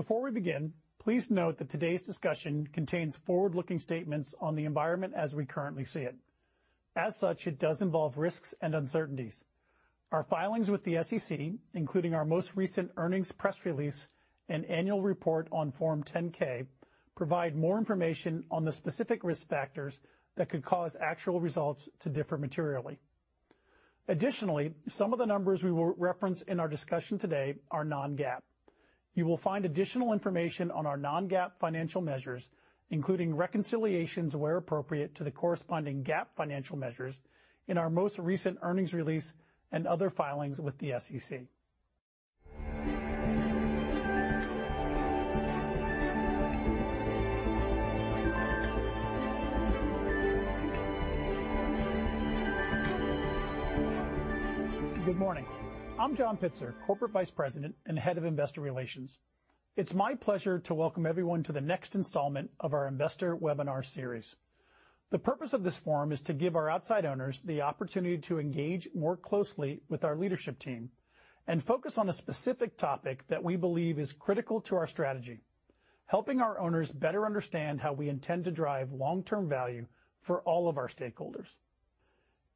Before we begin, please note that today's discussion contains forward-looking statements on the environment as we currently see it. It does involve risks and uncertainties. Our filings with the SEC, including our most recent earnings press release and annual report on Form 10-K, provide more information on the specific risk factors that could cause actual results to differ materially. Some of the numbers we will reference in our discussion today are non-GAAP. You will find additional information on our non-GAAP financial measures, including reconciliations, where appropriate, to the corresponding GAAP financial measures in our most recent earnings release and other filings with the SEC. Good morning. I'm John Pitzer, Corporate Vice President and Head of Investor Relations. It's my pleasure to welcome everyone to the next installment of our Investor Webinar series. The purpose of this forum is to give our outside owners the opportunity to engage more closely with our leadership team and focus on a specific topic that we believe is critical to our strategy, helping our owners better understand how we intend to drive long-term value for all of our stakeholders.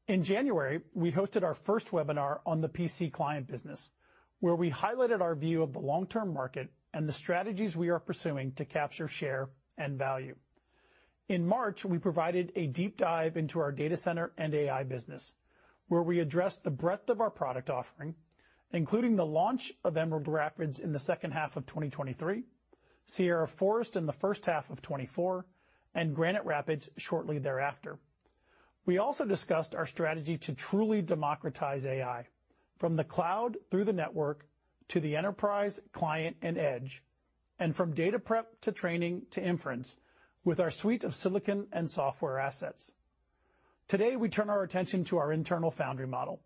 In January, we hosted our first webinar on the PC Client business, where we highlighted our view of the long-term market and the strategies we are pursuing to capture, share, and value. In March, we provided a deep dive into our data center and AI business, where we addressed the breadth of our product offering, including the launch of Emerald Rapids in the second half of 2023, Sierra Forest in the first half of 2024, and Granite Rapids shortly thereafter. We also discussed our strategy to truly democratize AI from the cloud through the network to the enterprise, client, and edge, and from data prep to training to inference with our suite of silicon and software assets. Today, we turn our attention to our internal foundry model,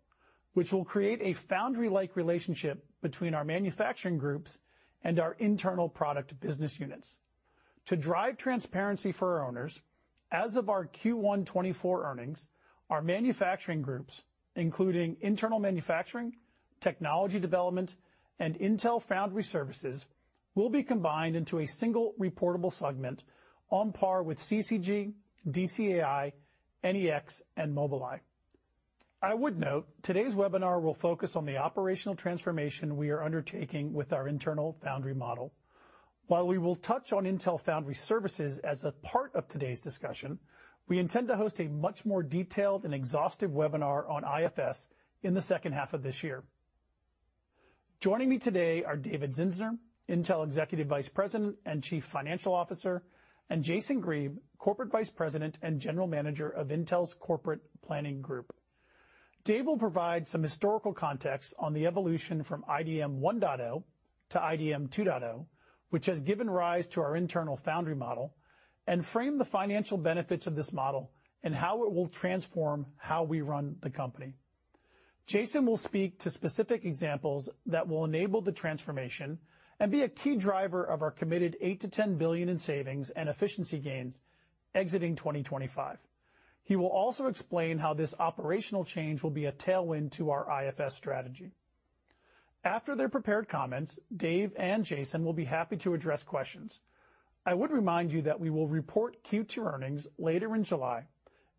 which will create a foundry-like relationship between our manufacturing groups and our internal product business units. To drive transparency for our owners, as of our Q1 2024 earnings, our manufacturing groups, including internal manufacturing, technology development, and Intel Foundry Services, will be combined into a single reportable segment on par with CCG, DCAI, NEX, and Mobileye. I would note, today's webinar will focus on the operational transformation we are undertaking with our internal foundry model. While we will touch on Intel Foundry Services as a part of today's discussion, we intend to host a much more detailed and exhaustive webinar on IFS in the second half of this year. Joining me today are David Zinsner, Intel Executive Vice President and Chief Financial Officer, and Jason Grebe, Corporate Vice President and General Manager of Intel's Corporate Planning Group. Dave will provide some historical context on the evolution from IDM 1.0 to IDM 2.0, which has given rise to our internal foundry model, and frame the financial benefits of this model and how it will transform how we run the company. Jason will speak to specific examples that will enable the transformation and be a key driver of our committed $8 billion-$10 billion in savings and efficiency gains exiting 2025. He will also explain how this operational change will be a tailwind to our IFS strategy. After their prepared comments, Dave and Jason will be happy to address questions. I would remind you that we will report Q2 earnings later in July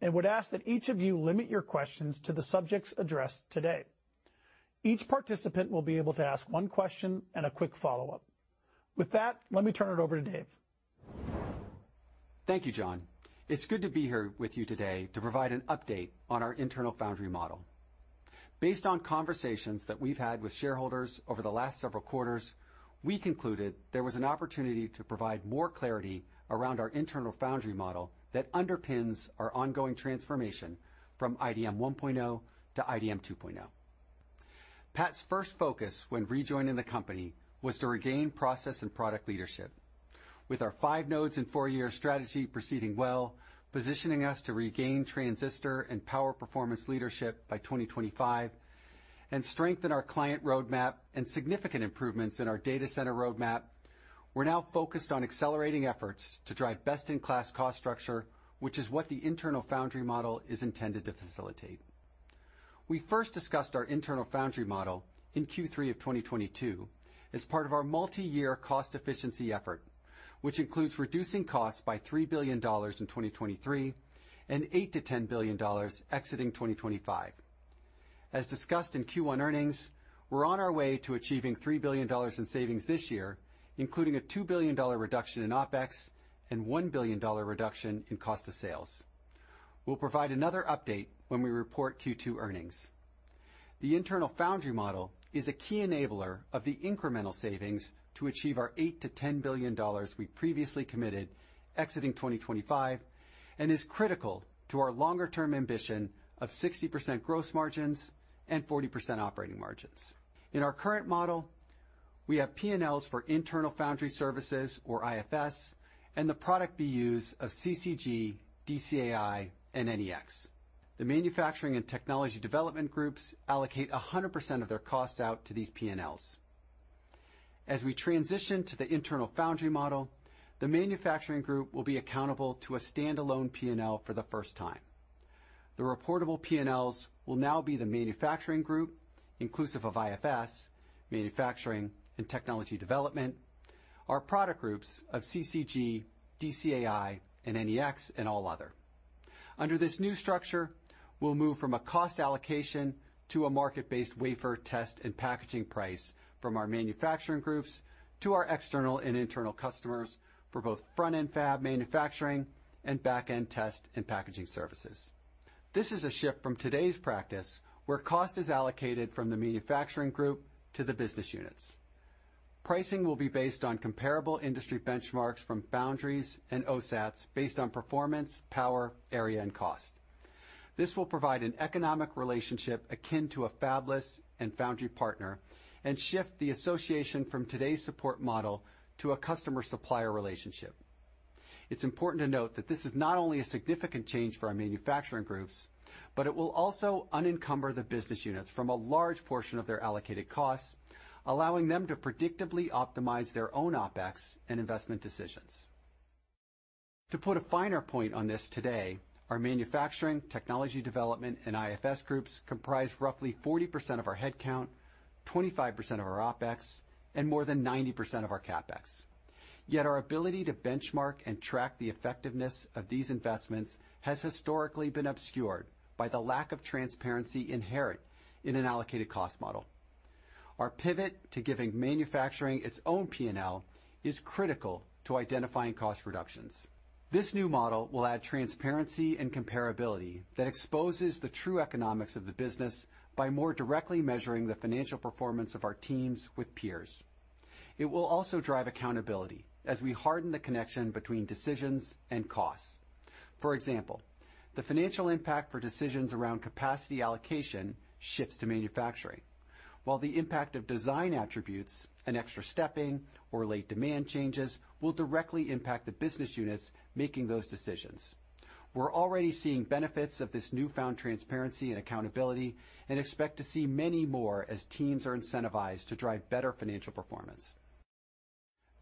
and would ask that each of you limit your questions to the subjects addressed today. Each participant will be able to ask one question and a quick follow-up. With that, let me turn it over to Dave. Thank you, John. It's good to be here with you today to provide an update on our internal foundry model. Based on conversations that we've had with shareholders over the last several quarters, we concluded there was an opportunity to provide more clarity around our internal foundry model that underpins our ongoing transformation from IDM 1.0 to IDM 2.0. Pat's first focus when rejoining the company was to regain process and product leadership. With our five nodes and 4-year strategy proceeding well, positioning us to regain transistor and power performance leadership by 2025 and strengthen our client roadmap and significant improvements in our data center roadmap, we're now focused on accelerating efforts to drive best-in-class cost structure, which is what the internal foundry model is intended to facilitate. We first discussed our internal foundry model in Q3 of 2022 as part of our multi-year cost efficiency effort, which includes reducing costs by $3 billion in 2023 and $8 billion-$10 billion exiting 2025. As discussed in Q1 earnings, we're on our way to achieving $3 billion in savings this year, including a $2 billion reduction in OpEx and $1 billion reduction in cost of sales. We'll provide another update when we report Q2 earnings. The internal foundry model is a key enabler of the incremental savings to achieve our $8 billion-$10 billion we previously committed exiting 2025 and is critical to our longer-term ambition of 60% gross margins and 40% operating margins. In our current model, we have P&Ls for Intel Foundry Services, or IFS, and the product we use of CCG, DCAI, and NEX. The manufacturing and technology development groups allocate 100% of their costs out to these P&Ls. As we transition to the internal foundry model, the manufacturing group will be accountable to a standalone P&L for the first time. The reportable P&Ls will now be the manufacturing group, inclusive of IFS, manufacturing, and technology development, our product groups of CCG, DCAI, and NEX, and all other. Under this new structure, we'll move from a cost allocation to a market-based wafer test and packaging price from our manufacturing groups to our external and internal customers for both front-end fab manufacturing and back-end test and packaging services. This is a shift from today's practice, where cost is allocated from the manufacturing group to the business units. Pricing will be based on comparable industry benchmarks from foundries and OSATs based on performance, power, area, and cost. This will provide an economic relationship akin to a fabless and foundry partner, shift the association from today's support model to a customer-supplier relationship. It's important to note that this is not only a significant change for our manufacturing groups, it will also unencumber the business units from a large portion of their allocated costs, allowing them to predictably optimize their own OpEx and investment decisions. To put a finer point on this today, our manufacturing, technology development, and IFS groups comprise roughly 40% of our headcount, 25% of our OpEx, and more than 90% of our CapEx. Our ability to benchmark and track the effectiveness of these investments has historically been obscured by the lack of transparency inherent in an allocated cost model. Our pivot to giving manufacturing its own P&L is critical to identifying cost reductions. This new model will add transparency and comparability that exposes the true economics of the business by more directly measuring the financial performance of our teams with peers. It will also drive accountability as we harden the connection between decisions and costs. For example, the financial impact for decisions around capacity allocation shifts to manufacturing, while the impact of design attributes and extra stepping or late demand changes will directly impact the business units making those decisions. We're already seeing benefits of this newfound transparency and accountability and expect to see many more as teams are incentivized to drive better financial performance.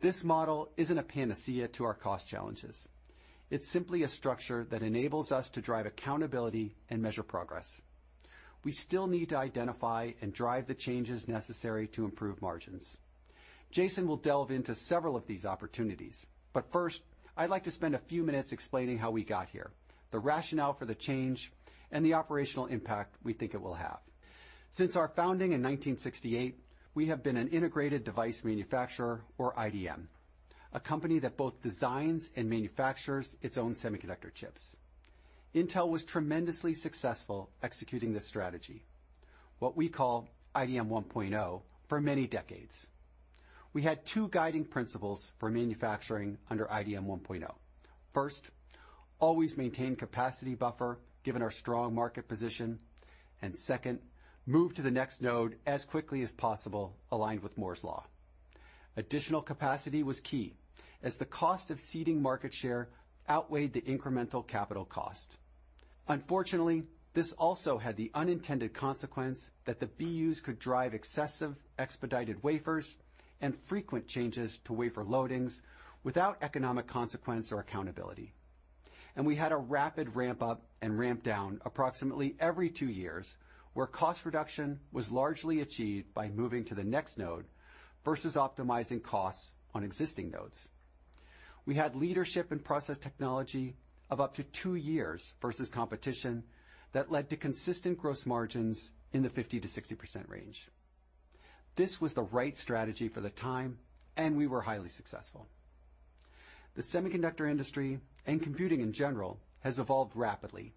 This model isn't a panacea to our cost challenges. It's simply a structure that enables us to drive accountability and measure progress. We still need to identify and drive the changes necessary to improve margins. Jason will delve into several of these opportunities, but first, I'd like to spend a few minutes explaining how we got here, the rationale for the change, and the operational impact we think it will have. Since our founding in 1968, we have been an Integrated Device Manufacturer or IDM, a company that both designs and manufactures its own semiconductor chips. Intel was tremendously successful executing this strategy, what we call IDM 1.0, for many decades. We had two guiding principles for manufacturing under IDM 1.0. First, always maintain capacity buffer, given our strong market position, and second, move to the next node as quickly as possible, aligned with Moore's Law. Additional capacity was key, as the cost of ceding market share outweighed the incremental capital cost. Unfortunately, this also had the unintended consequence that the BUs could drive excessive expedited wafers and frequent changes to wafer loadings without economic consequence or accountability. We had a rapid ramp up and ramp down approximately every 2 years, where cost reduction was largely achieved by moving to the next node versus optimizing costs on existing nodes. We had leadership and process technology of up to 2 years versus competition that led to consistent gross margins in the 5a%-60% range. This was the right strategy for the time, and we were highly successful. The semiconductor industry and computing in general has evolved rapidly,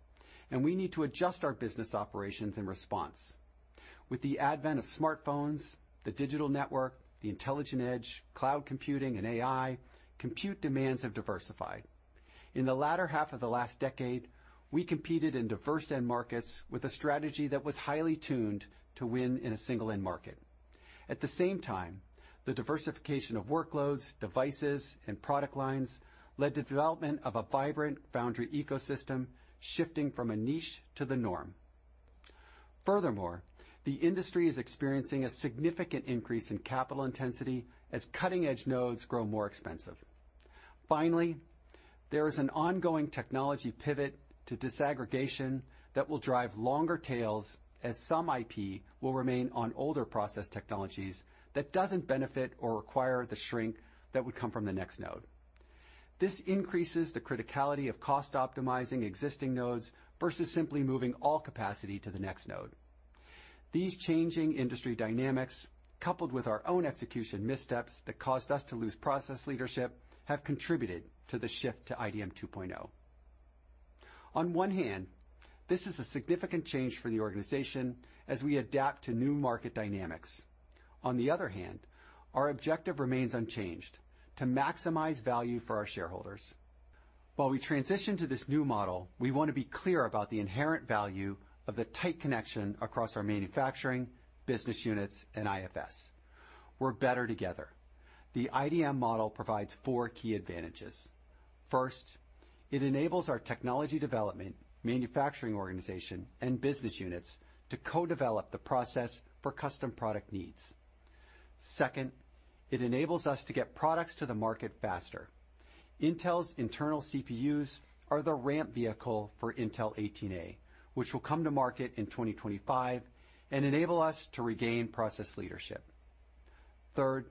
and we need to adjust our business operations in response. With the advent of smartphones, the digital network, the intelligent edge, cloud computing, and AI, compute demands have diversified. In the latter half of the last decade, we competed in diverse end markets with a strategy that was highly tuned to win in a single end market. At the same time, the diversification of workloads, devices, and product lines led to development of a vibrant foundry ecosystem, shifting from a niche to the norm. Furthermore, the industry is experiencing a significant increase in capital intensity as cutting-edge nodes grow more expensive. Finally, there is an ongoing technology pivot to disaggregation that will drive longer tails, as some IP will remain on older process technologies that doesn't benefit or require the shrink that would come from the next node. This increases the criticality of cost optimizing existing nodes versus simply moving all capacity to the next node. These changing industry dynamics, coupled with our own execution missteps that caused us to lose process leadership, have contributed to the shift to IDM 2.0. On one hand, this is a significant change for the organization as we adapt to new market dynamics. On the other hand, our objective remains unchanged: to maximize value for our shareholders. While we transition to this new model, we want to be clear about the inherent value of the tight connection across our manufacturing, business units, and IFS. We're better together. The IDM model provides four key advantages. First, it enables our technology development, manufacturing, organization, and business units to co-develop the process for custom product needs. Second, it enables us to get products to the market faster. Intel's internal CPUs are the ramp vehicle for Intel 18A, which will come to market in 2025 and enable us to regain process leadership. Third,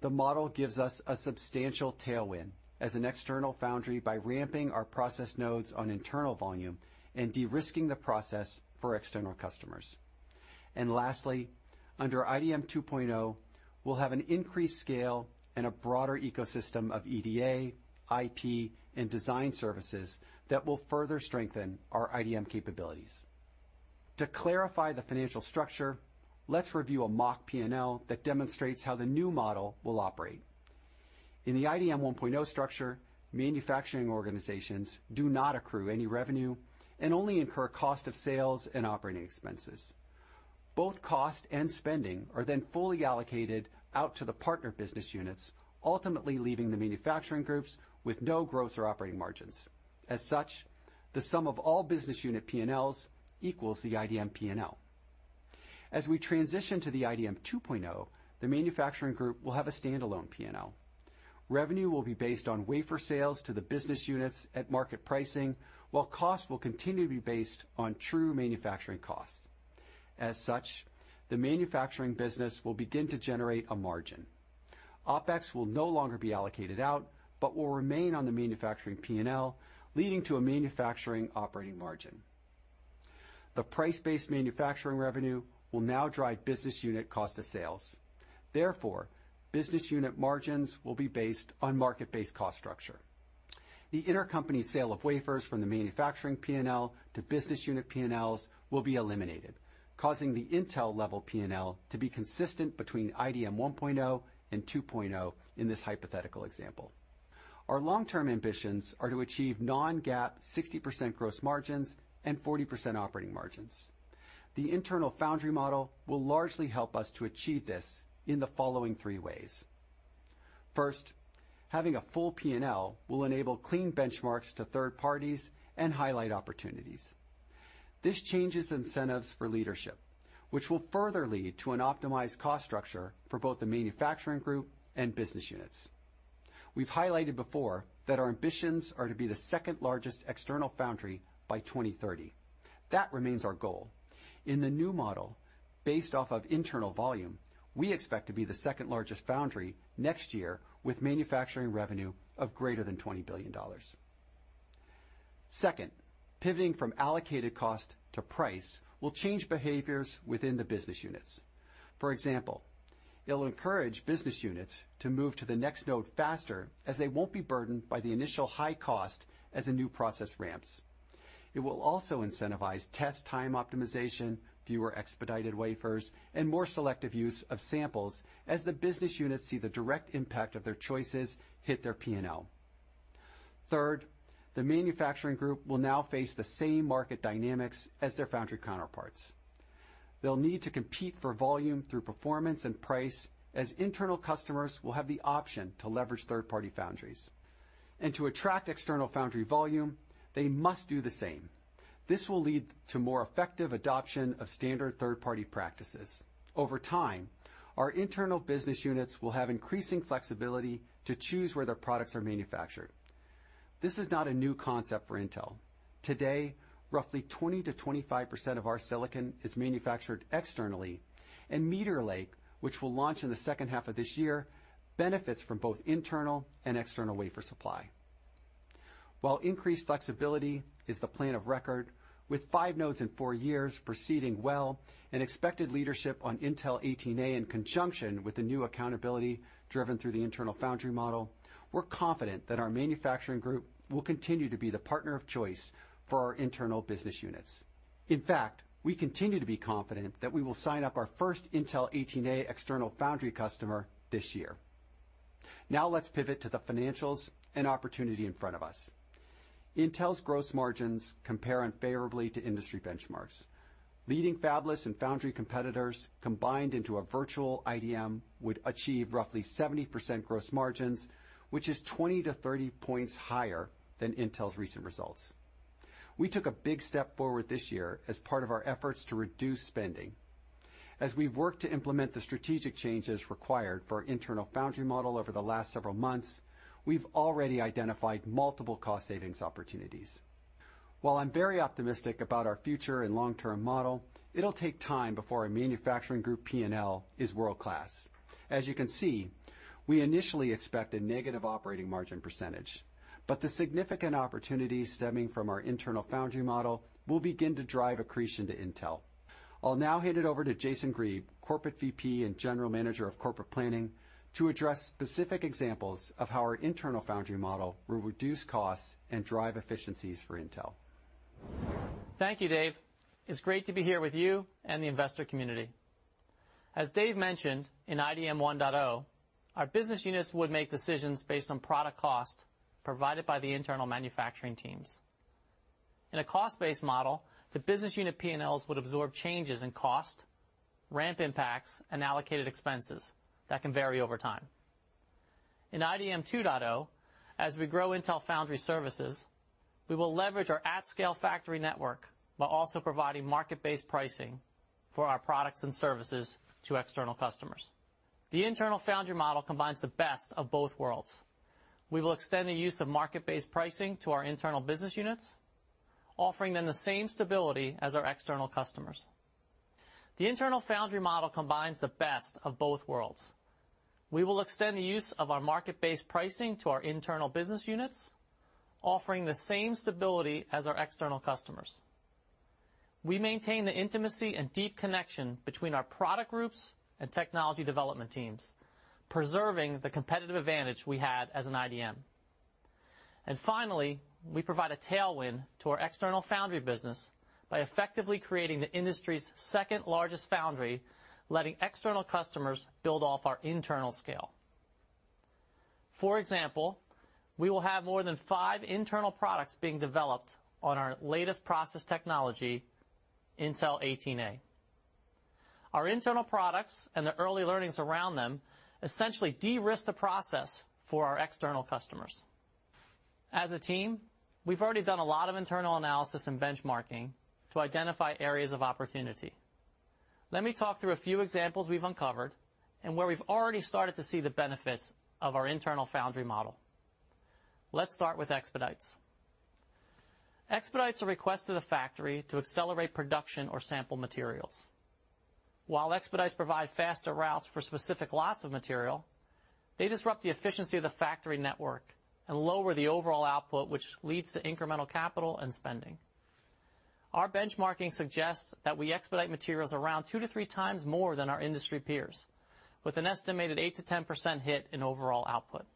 the model gives us a substantial tailwind as an external foundry by ramping our process nodes on internal volume and de-risking the process for external customers. Lastly, under IDM 2.0, we'll have an increased scale and a broader ecosystem of EDA, IP, and design services that will further strengthen our IDM capabilities. To clarify the financial structure, let's review a mock P&L that demonstrates how the new model will operate. In the IDM 1.0 structure, manufacturing organizations do not accrue any revenue and only incur cost of sales and operating expenses. Both cost and spending are then fully allocated out to the partner business units, ultimately leaving the manufacturing groups with no gross or operating margins. As such, the sum of all Business Unit P&Ls equals the IDM P&L. As we transition to the IDM 2.0, the manufacturing group will have a standalone P&L. Revenue will be based on wafer sales to the Business Units at market pricing, while costs will continue to be based on true manufacturing costs. As such, the manufacturing business will begin to generate a margin. OpEx will no longer be allocated out, but will remain on the manufacturing P&L, leading to a manufacturing operating margin. The price-based manufacturing revenue will now drive Business Unit cost of sales. Therefore, Business Unit margins will be based on market-based cost structure. The intercompany sale of wafers from the manufacturing P&L to Business Unit P&Ls will be eliminated, causing the Intel-level P&L to be consistent between IDM 1.0 and 2.0 in this hypothetical example. Our long-term ambitions are to achieve non-GAAP, 60% gross margins and 40% operating margins. The internal foundry model will largely help us to achieve this in the following three ways. First, having a full P&L will enable clean benchmarks to third parties and highlight opportunities. This changes incentives for leadership, which will further lead to an optimized cost structure for both the manufacturing group and business units. We've highlighted before that our ambitions are to be the second-largest external foundry by 2030. That remains our goal. In the new model, based off of internal volume, we expect to be the second-largest foundry next year, with manufacturing revenue of greater than $20 billion. Second, pivoting from allocated cost to price will change behaviors within the business units. For example, it'll encourage business units to move to the next node faster, as they won't be burdened by the initial high cost as a new process ramps. It will also incentivize test time optimization, fewer expedited wafers, and more selective use of samples as the business units see the direct impact of their choices hit their P&L. Third, the manufacturing group will now face the same market dynamics as their foundry counterparts. They'll need to compete for volume through performance and price, as internal customers will have the option to leverage third-party foundries. To attract external foundry volume, they must do the same. This will lead to more effective adoption of standard third-party practices. Over time, our internal business units will have increasing flexibility to choose where their products are manufactured. This is not a new concept for Intel. Today, roughly 20%-25% of our silicon is manufactured externally, and Meteor Lake, which will launch in the second half of this year, benefits from both internal and external wafer supply. While increased flexibility is the plan of record, with five nodes in four years proceeding well and expected leadership on Intel 18A, in conjunction with the new accountability driven through the internal foundry model, we're confident that our manufacturing group will continue to be the partner of choice for our internal business units. In fact, we continue to be confident that we will sign up our first Intel 18A external foundry customer this year. Now, let's pivot to the financials and opportunity in front of us. Intel's gross margins compare unfavorably to industry benchmarks. Leading fabless and foundry competitors, combined into a virtual IDM, would achieve roughly 70% gross margins, which is 20 to 30 points higher than Intel's recent results. We took a big step forward this year as part of our efforts to reduce spending. As we've worked to implement the strategic changes required for our internal foundry model over the last several months, we've already identified multiple cost savings opportunities. While I'm very optimistic about our future and long-term model, it'll take time before our manufacturing group P&L is world-class. As you can see, we initially expect a negative operating margin %, but the significant opportunities stemming from our internal foundry model will begin to drive accretion to Intel. I'll now hand it over to Jason Grebe, Corporate VP and General Manager of Corporate Planning, to address specific examples of how our internal foundry model will reduce costs and drive efficiencies for Intel. Thank you, Dave. It's great to be here with you and the investor community. As Dave mentioned, in IDM 1.0, our business units would make decisions based on product cost provided by the internal manufacturing teams. In a cost-based model, the business unit P&Ls would absorb changes in cost, ramp impacts, and allocated expenses that can vary over time. In IDM 2.0, as we grow Intel Foundry Services, we will leverage our at-scale factory network, while also providing market-based pricing for our products and services to external customers. The internal foundry model combines the best of both worlds. We will extend the use of market-based pricing to our internal business units, offering them the same stability as our external customers. The internal foundry model combines the best of both worlds. We will extend the use of our market-based pricing to our internal business units, offering the same stability as our external customers. We maintain the intimacy and deep connection between our product groups and technology development teams, preserving the competitive advantage we had as an IDM. Finally, we provide a tailwind to our external foundry business by effectively creating the industry's second-largest foundry, letting external customers build off our internal scale. For example, we will have more than five internal products being developed on our latest process technology, Intel 18A. Our internal products and the early learnings around them essentially de-risk the process for our external customers. As a team, we've already done a lot of internal analysis and benchmarking to identify areas of opportunity. Let me talk through a few examples we've uncovered and where we've already started to see the benefits of our internal foundry model. Let's start with expedites. Expedites are requests to the factory to accelerate production or sample materials. While expedites provide faster routes for specific lots of material, they disrupt the efficiency of the factory network and lower the overall output, which leads to incremental capital and spending. Our benchmarking suggests that we expedite materials around 2x to 3x more than our industry peers, with an estimated 8%-10% hit in overall output.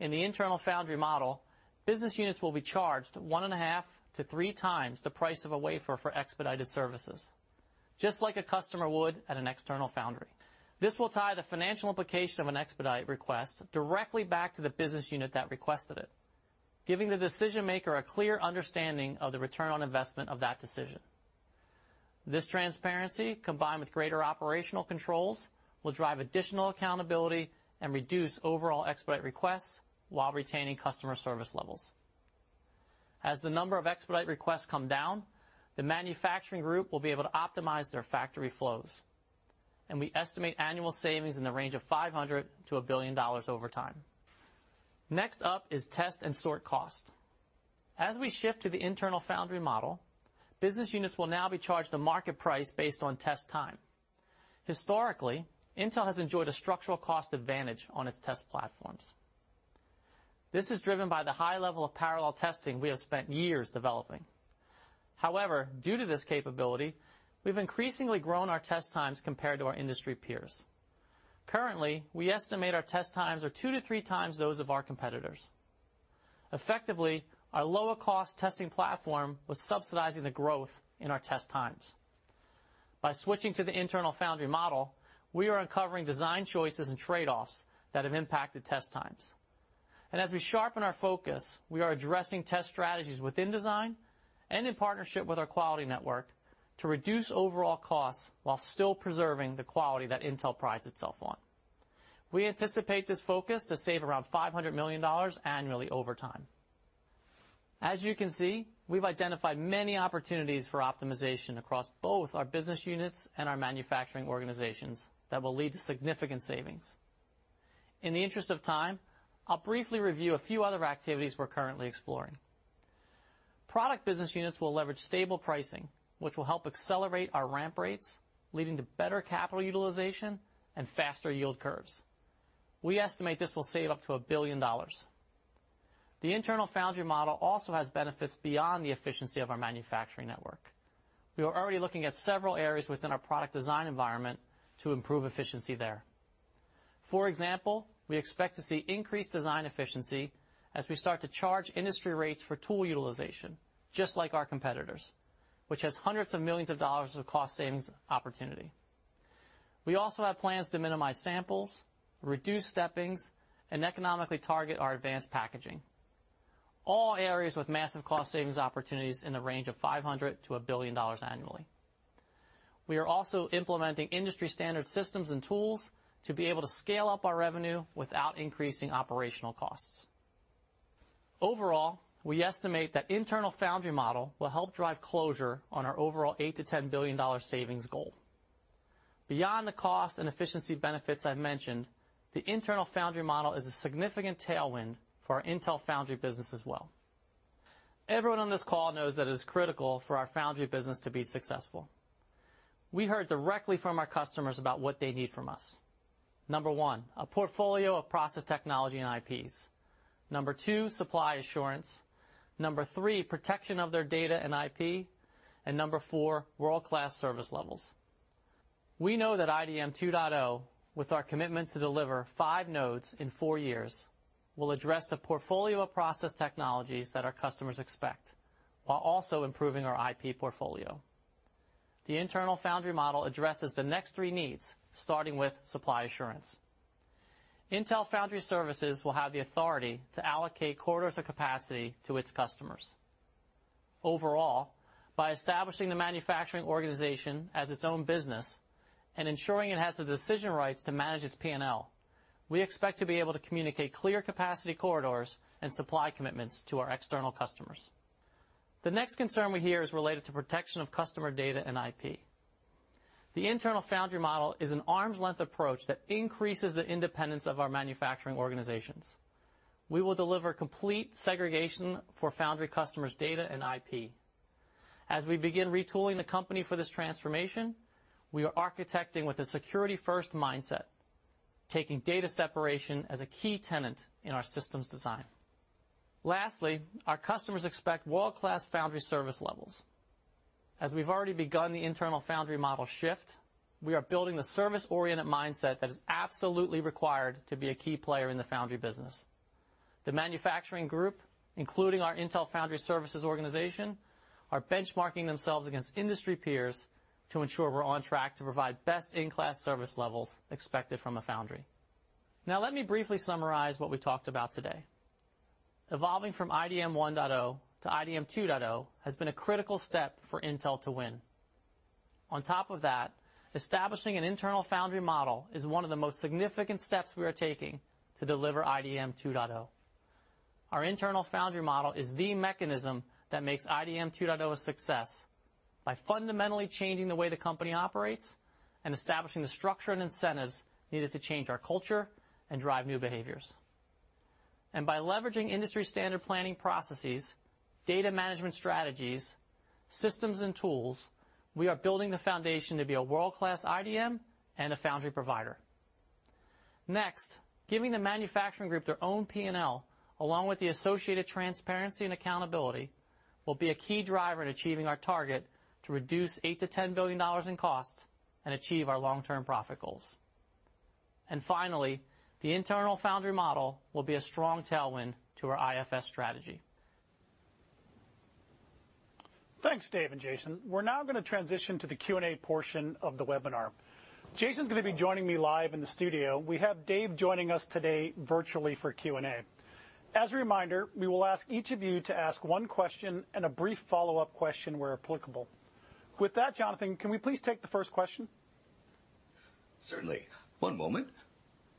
In the internal foundry model, business units will be charged 1.5x to 3x the price of a wafer for expedited services, just like a customer would at an external foundry. This will tie the financial implication of an expedite request directly back to the business unit that requested it, giving the decision-maker a clear understanding of the return on investment of that decision. This transparency, combined with greater operational controls, will drive additional accountability and reduce overall expedite requests while retaining customer service levels. As the number of expedite requests come down, the manufacturing group will be able to optimize their factory flows, and we estimate annual savings in the range of $500 million-$1 billion over time. Next up is test and sort cost. As we shift to the internal foundry model, business units will now be charged a market price based on test time. Historically, Intel has enjoyed a structural cost advantage on its test platforms. This is driven by the high level of parallel testing we have spent years developing. However, due to this capability, we've increasingly grown our test times compared to our industry peers. Currently, we estimate our test times are 2x to 3x those of our competitors. Effectively, our lower-cost testing platform was subsidizing the growth in our test times. By switching to the internal foundry model, we are uncovering design choices and trade-offs that have impacted test times. As we sharpen our focus, we are addressing test strategies within design and in partnership with our quality network to reduce overall costs while still preserving the quality that Intel prides itself on. We anticipate this focus to save around $500 million annually over time. As you can see, we've identified many opportunities for optimization across both our business units and our manufacturing organizations that will lead to significant savings. In the interest of time, I'll briefly review a few other activities we're currently exploring. Product business units will leverage stable pricing, which will help accelerate our ramp rates, leading to better capital utilization and faster yield curves. We estimate this will save up to $1 billion. The internal foundry model also has benefits beyond the efficiency of our manufacturing network. We are already looking at several areas within our product design environment to improve efficiency there. For example, we expect to see increased design efficiency as we start to charge industry rates for tool utilization, just like our competitors, which has hundreds of millions of dollars of cost savings opportunity. We also have plans to minimize samples, reduce steppings, and economically target our advanced packaging, all areas with massive cost savings opportunities in the range of $500 million-$1 billion annually. We are also implementing industry-standard systems and tools to be able to scale up our revenue without increasing operational costs. We estimate that internal foundry model will help drive closure on our overall $8 billion-$10 billion savings goal. Beyond the cost and efficiency benefits I've mentioned, the internal foundry model is a significant tailwind for our Intel Foundry business as well. Everyone on this call knows that it is critical for our foundry business to be successful. We heard directly from our customers about what they need from us. Number 1, a portfolio of process technology and IPs. Number 2, supply assurance. Number 3, protection of their data and IP. Number 4, world-class service levels. We know that IDM 2.0, with our commitment to deliver five nodes in four years, will address the portfolio of process technologies that our customers expect, while also improving our IP portfolio. The internal foundry model addresses the next three needs, starting with supply assurance. Intel Foundry Services will have the authority to allocate corridors of capacity to its customers. Overall, by establishing the manufacturing organization as its own business and ensuring it has the decision rights to manage its P&L, we expect to be able to communicate clear capacity corridors and supply commitments to our external customers. The next concern we hear is related to protection of customer data and IP. The internal foundry model is an arm's-length approach that increases the independence of our manufacturing organizations. We will deliver complete segregation for foundry customers' data and IP. As we begin retooling the company for this transformation, we are architecting with a security-first mindset, taking data separation as a key tenant in our systems design. Our customers expect world-class foundry service levels. As we've already begun the internal foundry model shift, we are building the service-oriented mindset that is absolutely required to be a key player in the foundry business. The manufacturing group, including our Intel Foundry Services organization, are benchmarking themselves against industry peers to ensure we're on track to provide best-in-class service levels expected from a foundry. Now, let me briefly summarize what we talked about today. Evolving from IDM 1.0 to IDM 2.0 has been a critical step for Intel to win. On top of that, establishing an internal foundry model is one of the most significant steps we are taking to deliver IDM 2.0. Our internal foundry model is the mechanism that makes IDM 2.0 a success by fundamentally changing the way the company operates and establishing the structure and incentives needed to change our culture and drive new behaviors. By leveraging industry standard planning processes, data management strategies, systems, and tools, we are building the foundation to be a world-class IDM and a foundry provider. Giving the manufacturing group their own P&L, along with the associated transparency and accountability, will be a key driver in achieving our target to reduce $8 billion-$10 billion in cost and achieve our long-term profit goals. Finally, the internal foundry model will be a strong tailwind to our IFS strategy. Thanks, Dave and Jason. We're now going to transition to the Q&A portion of the webinar. Jason is going to be joining me live in the studio. We have Dave joining us today virtually for Q&A. As a reminder, we will ask each of you to ask one question and a brief follow-up question, where applicable. Jonathan, can we please take the first question? Certainly. One moment.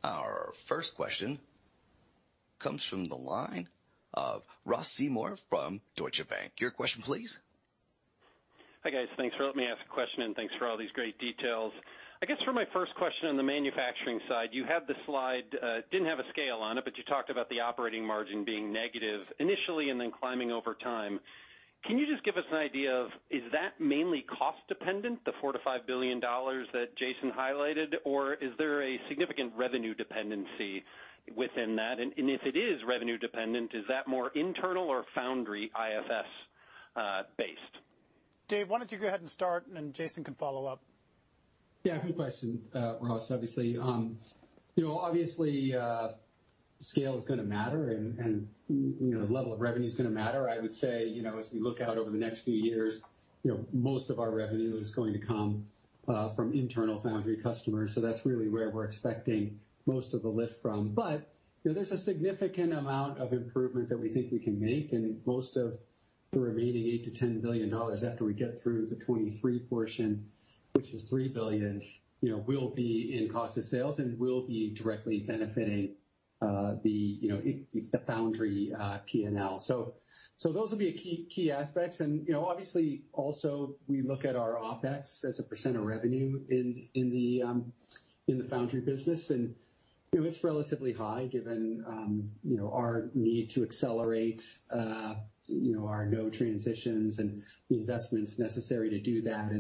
Our first question comes from the line of Ross Seymore from Deutsche Bank. Your question, please. Hi, guys. Thanks for letting me ask a question. Thanks for all these great details. I guess for my first question on the manufacturing side, you have the slide, didn't have a scale on it, but you talked about the operating margin being negative initially and then climbing over time. Can you just give us an idea of, is that mainly cost dependent, the $4 billion-$5 billion that Jason highlighted, or is there a significant revenue dependency within that? If it is revenue dependent, is that more internal or foundry IFS based? Dave, why don't you go ahead and start, and then Jason can follow up? Yeah, good question, Ross. Obviously, you know, obviously, scale is going to matter and, you know, level of revenue is going to matter. I would say, you know, as we look out over the next few years, you know, most of our revenue is going to come from internal foundry customers, so that's really where we're expecting most of the lift from. You know, there's a significant amount of improvement that we think we can make, and most of the remaining $8 billion-$10 billion after we get through the 2023 portion, which is $3 billion, you know, will be in cost of sales and will be directly benefiting, the, you know, the foundry, P&L. Those will be a key aspects. You know, obviously, also, we look at our OpEx as a percent of revenue in the foundry business, and it's relatively high, given, you know, our need to accelerate, you know, our no transitions and the investments necessary to do that.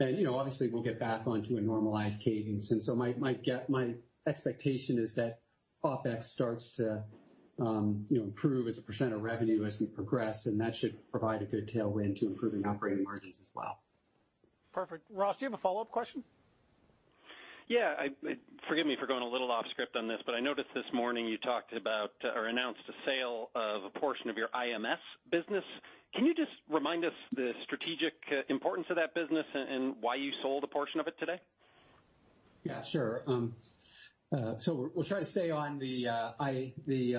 You know, obviously, we'll get back onto a normalized cadence. My expectation is that OpEx starts to, you know, improve as a percent of revenue as we progress, and that should provide a good tailwind to improving operating margins as well. Perfect. Ross, do you have a follow-up question? Yeah. I forgive me for going a little off script on this, but I noticed this morning you talked about or announced a sale of a portion of your IMS business. Can you just remind us the strategic importance of that business and why you sold a portion of it today? Yeah, sure. We'll try to stay on the, I, the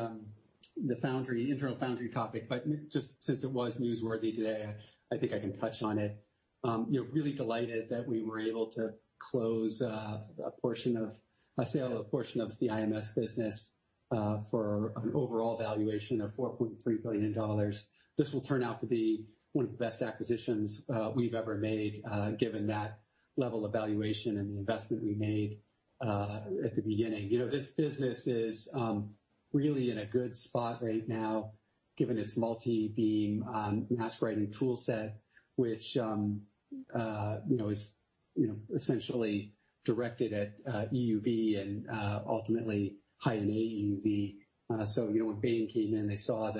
foundry, internal foundry topic, but just since it was newsworthy today, I think I can touch on it. You know, really delighted that we were able to close a sale of a portion of the IMS business for an overall valuation of $4.3 billion. This will turn out to be one of the best acquisitions we've ever made given that level of valuation and the investment we made at the beginning. You know, this business is really in a good spot right now, given its multi-beam mask writing tool set, which, you know, is, you know, essentially directed at EUV and ultimately, High-NA EUV. You know, when Bain came in, they saw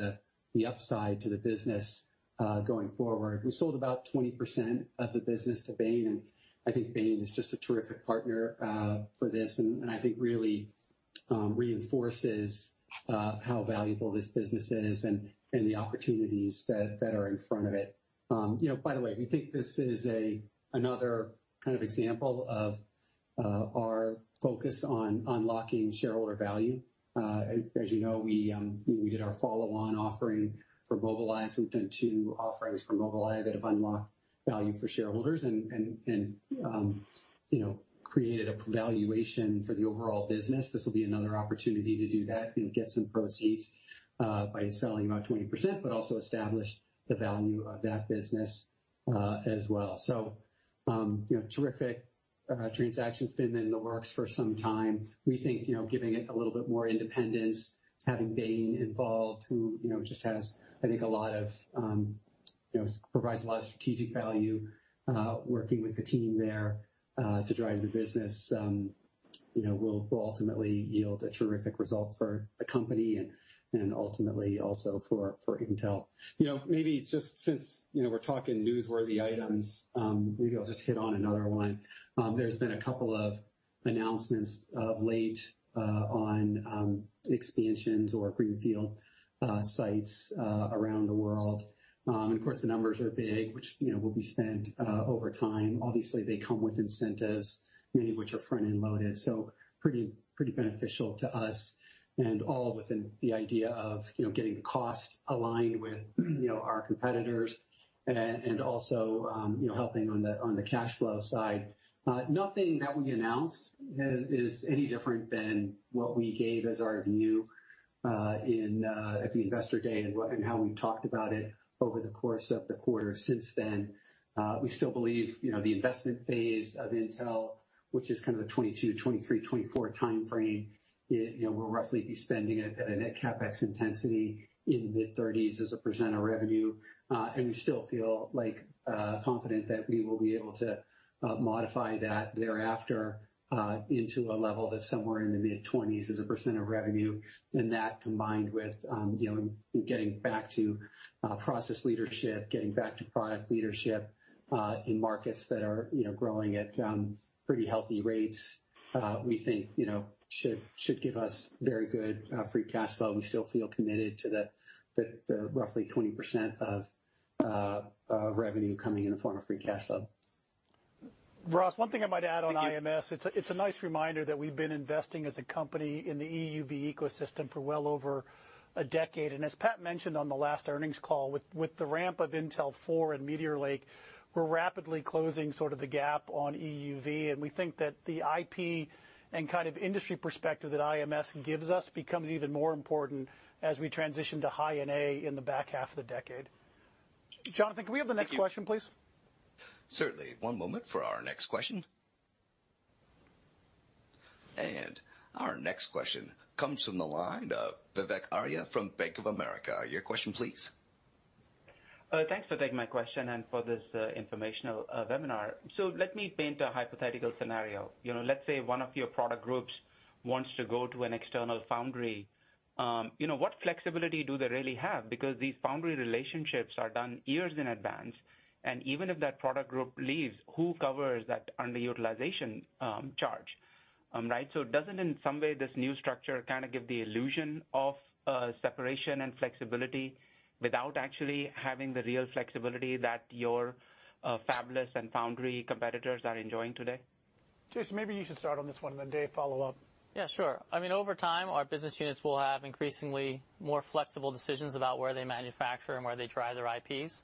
the upside to the business going forward. We sold about 20% of the business to Bain. I think Bain is just a terrific partner for this, and I think really reinforces how valuable this business is and the opportunities that are in front of it. You know, by the way, we think this is another kind of example of our focus on unlocking shareholder value. As you know, we did our follow-on offering for Mobileye. We've done 2 offerings for Mobileye that have unlocked value for shareholders and, you know, created a valuation for the overall business. This will be another opportunity to do that and get some proceeds by selling about 20%, but also establish the value of that business as well. You know, terrific transaction. It's been in the works for some time. We think, you know, giving it a little bit more independence, having Bain involved, who, you know, just has, I think, a lot of, you know, provides a lot of strategic value working with the team there to drive the business, you know, will ultimately yield a terrific result for the company and ultimately also for Intel. You know, maybe just since, you know, we're talking newsworthy items, maybe I'll just hit on another one. There's been a couple of announcements of late on expansions or greenfield sites around the world. Of course, the numbers are big, which, you know, will be spent over time. Obviously, they come with incentives, many of which are front-end loaded, so pretty beneficial to us and all within the idea of, you know, getting the cost aligned with, you know, our competitors and also, you know, helping on the cash flow side. Nothing that we announced is any different than what we gave as our view at the Investor Day and how we've talked about it over the course of the quarter since then. We still believe, you know, the investment phase of Intel, which is kind of the 2022, 2023, 2024 time frame, you know, we'll roughly be spending it at a net CapEx intensity in the 30s as a % of revenue. We still feel, like, confident that we will be able to modify that thereafter, into a level that's somewhere in the mid-20s as a percent of revenue. That, combined with, you know, getting back to process leadership, getting back to product leadership, in markets that are, you know, growing at pretty healthy rates, we think, you know, should give us very good free cash flow. We still feel committed to the roughly 20% of revenue coming in the form of free cash flow. Ross, one thing I might add on IMS, it's a nice reminder that we've been investing as a company in the EUV ecosystem for well over a decade. As Pat mentioned on the last earnings call, with the ramp of Intel 4 and Meteor Lake, we're rapidly closing sort of the gap on EUV, and we think that the IP and kind of industry perspective that IMS gives us becomes even more important as we transition to High-NA in the back half of the decade. Jonathan, can we have the next question, please? Certainly. One moment for our next question. Our next question comes from the line of Vivek Arya from Bank of America. Your question, please. Thanks for taking my question and for this informational webinar. Let me paint a hypothetical scenario. You know, let's say one of your product groups wants to go to an external foundry. You know, what flexibility do they really have? Because these foundry relationships are done years in advance, and even if that product group leaves, who covers that underutilization charge, right? Doesn't in some way this new structure kind of give the illusion of separation and flexibility without actually having the real flexibility that your fabless and foundry competitors are enjoying today? Jason, maybe you should start on this one, and then Dave, follow up. Yeah, sure. I mean, over time, our business units will have increasingly more flexible decisions about where they manufacture and where they drive their IPs.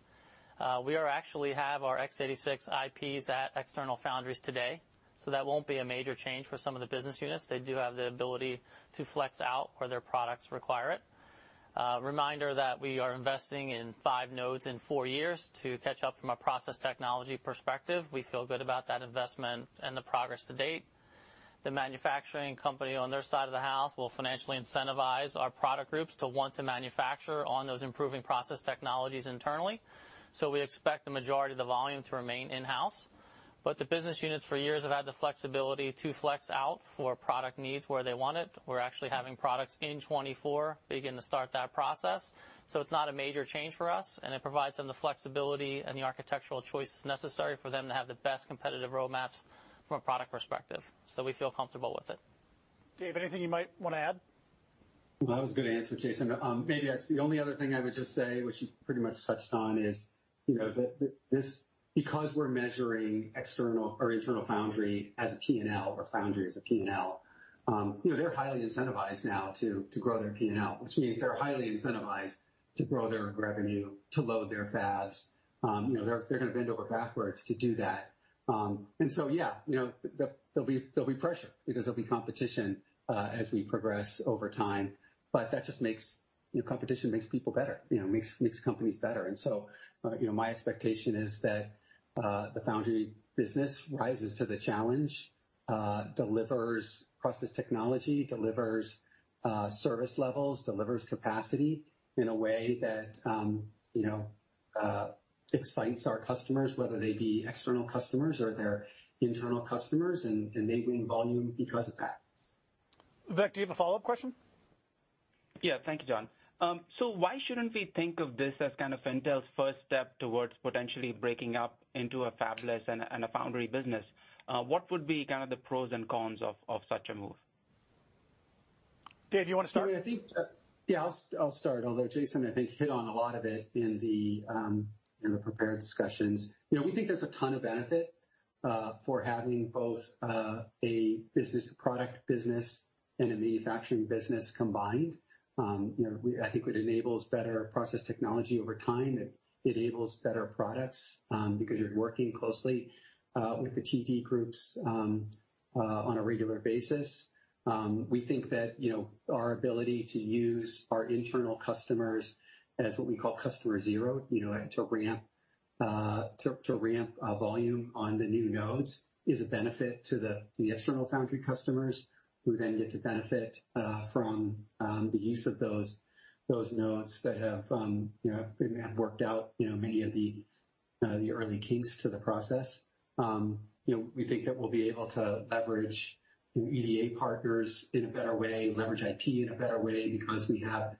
We actually have our x86 IPs at external foundries today, that won't be a major change for some of the business units. They do have the ability to flex out where their products require it. Reminder that we are investing in five nodes in four years to catch up from a process technology perspective. We feel good about that investment and the progress to date. The manufacturing company, on their side of the house, will financially incentivize our product groups to want to manufacture on those improving process technologies internally. We expect the majority of the volume to remain in-house. The business units for years have had the flexibility to flex out for product needs where they want it. We're actually having products in 2024 begin to start that process, so it's not a major change for us, and it provides them the flexibility and the architectural choices necessary for them to have the best competitive roadmaps from a product perspective. We feel comfortable with it. Dave, anything you might want to add? That was a good answer, Jason. Maybe that's the only other thing I would just say, which you pretty much touched on, is, you know, that this because we're measuring external or internal foundry as a P&L or foundry as a P&L, you know, they're highly incentivized now to grow their P&L, which means they're highly incentivized to grow their revenue, to load their fabs. You know, they're gonna bend over backwards to do that. And so, yeah, you know, there'll be pressure because there'll be competition as we progress over time. That just makes... You know, competition makes people better, you know, makes companies better. You know, my expectation is that the foundry business rises to the challenge, delivers process technology, delivers service levels, delivers capacity in a way that, you know, excites our customers, whether they be external customers or they're internal customers, and they bring volume because of that. Vivek, do you have a follow-up question? Yeah. Thank you, John. Why shouldn't we think of this as kind of Intel's first step towards potentially breaking up into a fabless and a foundry business? What would be kind of the pros and cons of such a move? Dave, do you want to start? I think, yeah, I'll start, although Jason, I think, hit on a lot of it in the prepared discussions. You know, we think there's a ton of benefit for having both a business, product business, and a manufacturing business combined. You know, we, I think it enables better process technology over time. It enables better products, because you're working closely with the TD groups on a regular basis. We think that, you know, our ability to use our internal customers as what we call customer zero, you know, to ramp volume on the new nodes is a benefit to the external foundry customers, who then get to benefit from the use of those nodes that have, you know, have been worked out, you know, many of the early kinks to the process. You know, we think that we'll be able to leverage the EDA partners in a better way, leverage IP in a better way because we have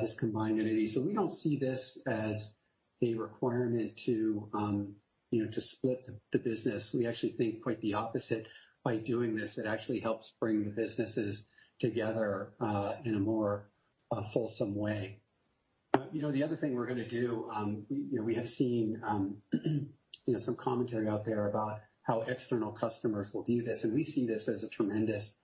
this combined entity. We don't see this as a requirement to, you know, to split the business. We actually think quite the opposite. By doing this, it actually helps bring the businesses together in a more wholesome way. You know, the other thing we're gonna do, you know, we have seen, you know, some commentary out there about how external customers will view this, and we see this as a tremendous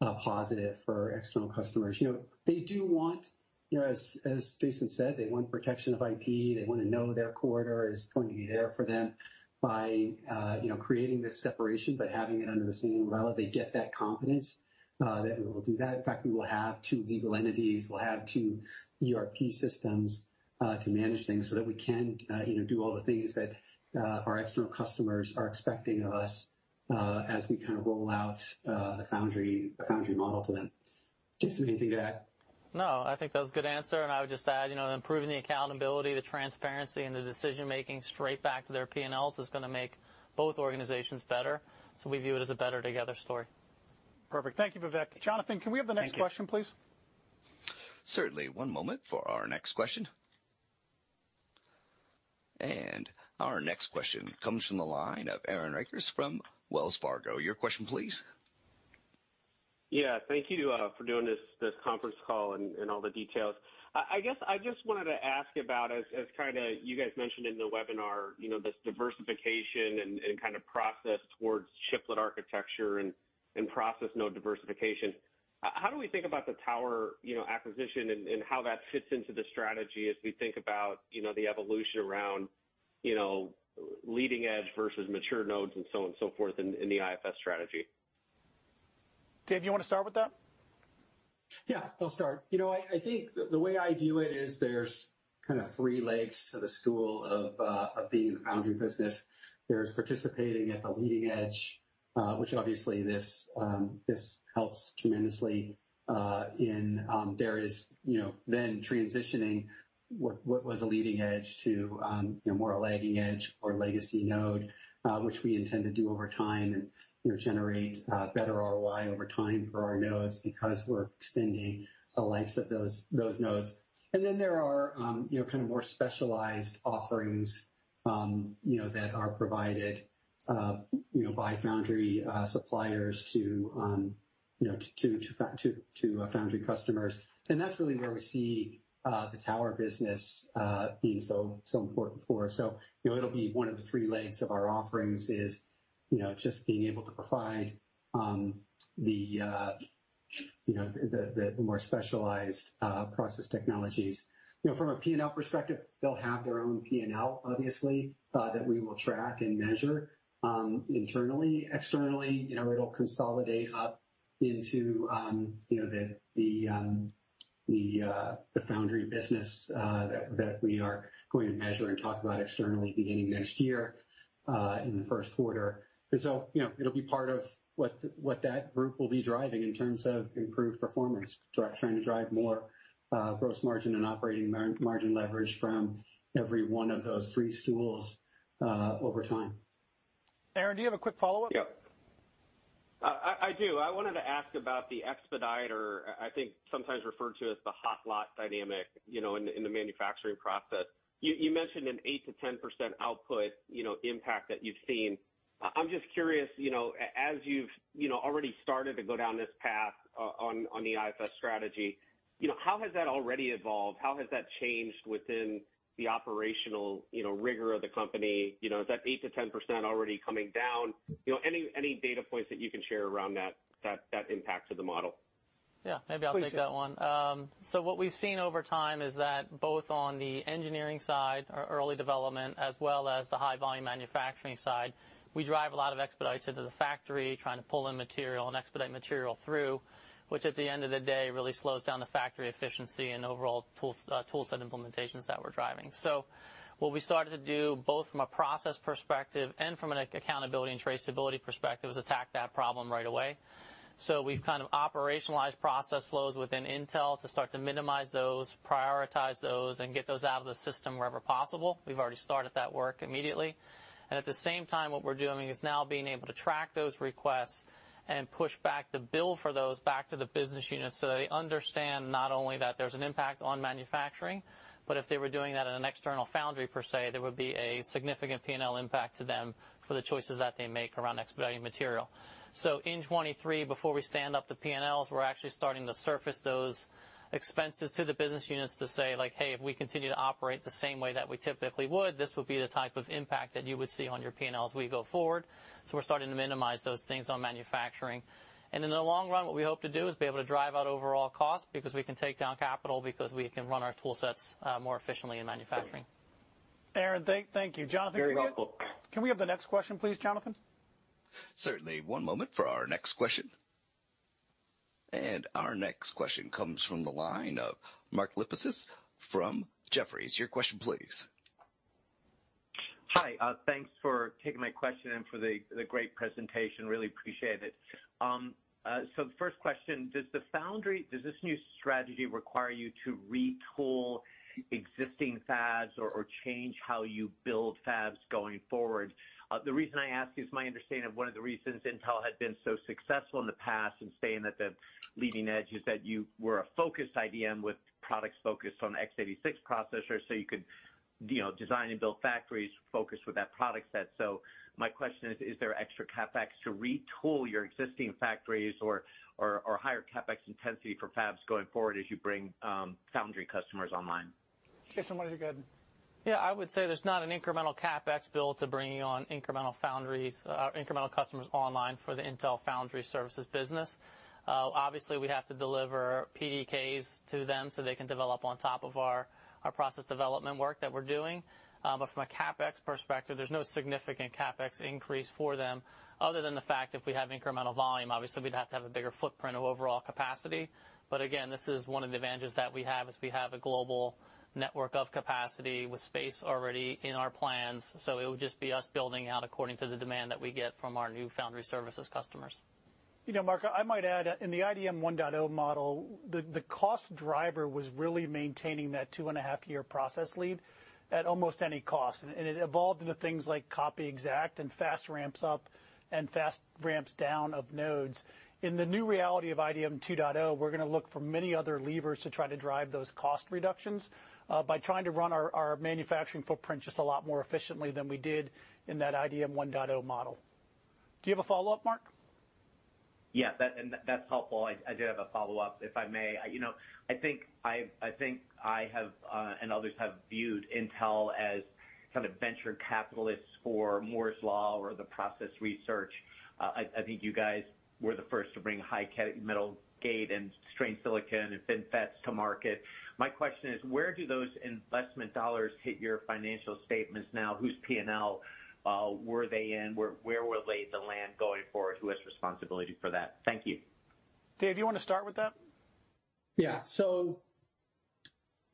positive for external customers. You know, they do want, you know, as Jason said, they want protection of IP. They want to know their corridor is going to be there for them. By, you know, creating this separation, but having it under the same umbrella, they get that confidence that we will do that. In fact, we will have two legal entities. We'll have two ERP systems to manage things so that we can, you know, do all the things that our external customers are expecting of us as we kind of roll out the foundry model to them. Jason, anything to add? No, I think that was a good answer, and I would just add, you know, improving the accountability, the transparency, and the decision-making straight back to their P&Ls is gonna make both organizations better. We view it as a better together story. Perfect. Thank you, Vivek. Jonathan, can we have the next question, please? Certainly. One moment for our next question. Our next question comes from the line of Aaron Rakers from Wells Fargo. Your question, please. Yeah, thank you, for doing this conference call and all the details. I guess I just wanted to ask about as kind of you guys mentioned in the webinar, you know, this diversification and kind of process towards chiplet architecture and process node diversification. How do we think about the Tower, you know, acquisition and how that fits into the strategy as we think about, you know, the evolution around, you know, leading edge versus mature nodes and so on and so forth in the IFS strategy? Dave, you want to start with that? Yeah, I'll start. You know what? I think the way I view it is there's kind of three legs to the stool of being in the foundry business. There's participating at the leading edge, which obviously this helps tremendously in. There is, you know, then transitioning what was a leading edge to, you know, more a lagging edge or legacy node, which we intend to do over time and, you know, generate better ROI over time for our nodes because we're extending the likes of those nodes. And then there are, you know, kind of more specialized offerings, you know, that are provided, you know, by foundry suppliers to, you know, to foundry customers. That's really where we see the Tower business being so important for us. You know, it'll be one of the three legs of our offerings is, you know, just being able to provide the, you know, the more specialized process technologies. You know, from a P&L perspective, they'll have their own P&L, obviously, that we will track and measure internally. Externally, you know, it'll consolidate up into, you know, the foundry business that we are going to measure and talk about externally beginning next year in the first quarter. You know, it'll be part of what that group will be driving in terms of improved performance, trying to drive more gross margin and operating margin leverage from every one of those three stools over time. Aaron, do you have a quick follow-up? Yeah. I do. I wanted to ask about the expedite or I think sometimes referred to as the hot lot dynamic, you know, in the, in the manufacturing process. You mentioned an 8-10% output, you know, impact that you've seen. I'm just curious, you know, as you've, you know, already started to go down this path on the IFS strategy, you know, how has that already evolved? How has that changed within the operational, you know, rigor of the company? Is that 8-10% already coming down? Any data points that you can share around that impact to the model? Yeah, maybe I'll take that one. Please do. What we've seen over time is that both on the engineering side, or early development, as well as the high volume manufacturing side, we drive a lot of expedites into the factory, trying to pull in material and expedite material through, which at the end of the day, really slows down the factory efficiency and overall tools, tool set implementations that we're driving. What we started to do, both from a process perspective and from an accountability and traceability perspective, is attack that problem right away. We've kind of operationalized process flows within Intel to start to minimize those, prioritize those, and get those out of the system wherever possible. We've already started that work immediately. At the same time, what we're doing is now being able to track those requests and push back the bill for those back to the business units, so they understand not only that there's an impact on manufacturing, but if they were doing that in an external foundry per se, there would be a significant P&L impact to them for the choices that they make around expediting material. In 2023, before we stand up the P&Ls, we're actually starting to surface those expenses to the business units to say, like, "Hey, if we continue to operate the same way that we typically would, this would be the type of impact that you would see on your P&L as we go forward." We're starting to minimize those things on manufacturing. In the long run, what we hope to do is be able to drive out overall cost, because we can take down capital, because we can run our tool sets more efficiently in manufacturing. Aaron, thank you. Jonathan. Very helpful. Can we have the next question, please, Jonathan? Certainly. One moment for our next question. Our next question comes from the line of Mark Lipacis from Jefferies. Your question, please. Hi, thanks for taking my question and for the great presentation. Really appreciate it. So the first question, does this new strategy require you to retool existing fabs or change how you build fabs going forward? The reason I ask is my understanding of one of the reasons Intel had been so successful in the past in staying at the leading edge, is that you were a focused IDM with products focused on x86 processors, so you could, you know, design and build factories focused with that product set. My question is there extra CapEx to retool your existing factories or higher CapEx intensity for fabs going forward as you bring foundry customers online? Jason, why don't you go ahead? I would say there's not an incremental CapEx bill to bringing on incremental foundries, incremental customers online for the Intel Foundry Services business. We have to deliver PDKs to them, so they can develop on top of our process development work that we're doing. From a CapEx perspective, there's no significant CapEx increase for them other than the fact if we have incremental volume, obviously we'd have to have a bigger footprint of overall capacity. Again, this is one of the advantages that we have, is we have a global network of capacity with space already in our plans, so it would just be us building out according to the demand that we get from our new foundry services customers. You know, Mark, I might add, in the IDM 1.0 model, the cost driver was really maintaining that 2.5-year process lead at almost any cost, and it evolved into things like Copy Exactly! and fast ramps up and fast ramps down of nodes. In the new reality of IDM 2.0, we're going to look for many other levers to try to drive those cost reductions by trying to run our manufacturing footprint just a lot more efficiently than we did in that IDM 1.0 model. Do you have a follow-up, Mark? Yeah, that's helpful. I did have a follow-up, if I may. You know, I think I have and others have viewed Intel as kind of venture capitalists for Moore's Law or the process research. I think you guys were the first to bring high-k metal gate and strained silicon and FinFETs to market. My question is, where do those investment dollars hit your financial statements now? Whose P&L were they in, where will they land going forward? Who has responsibility for that? Thank you. Dave, do you want to start with that? Yeah.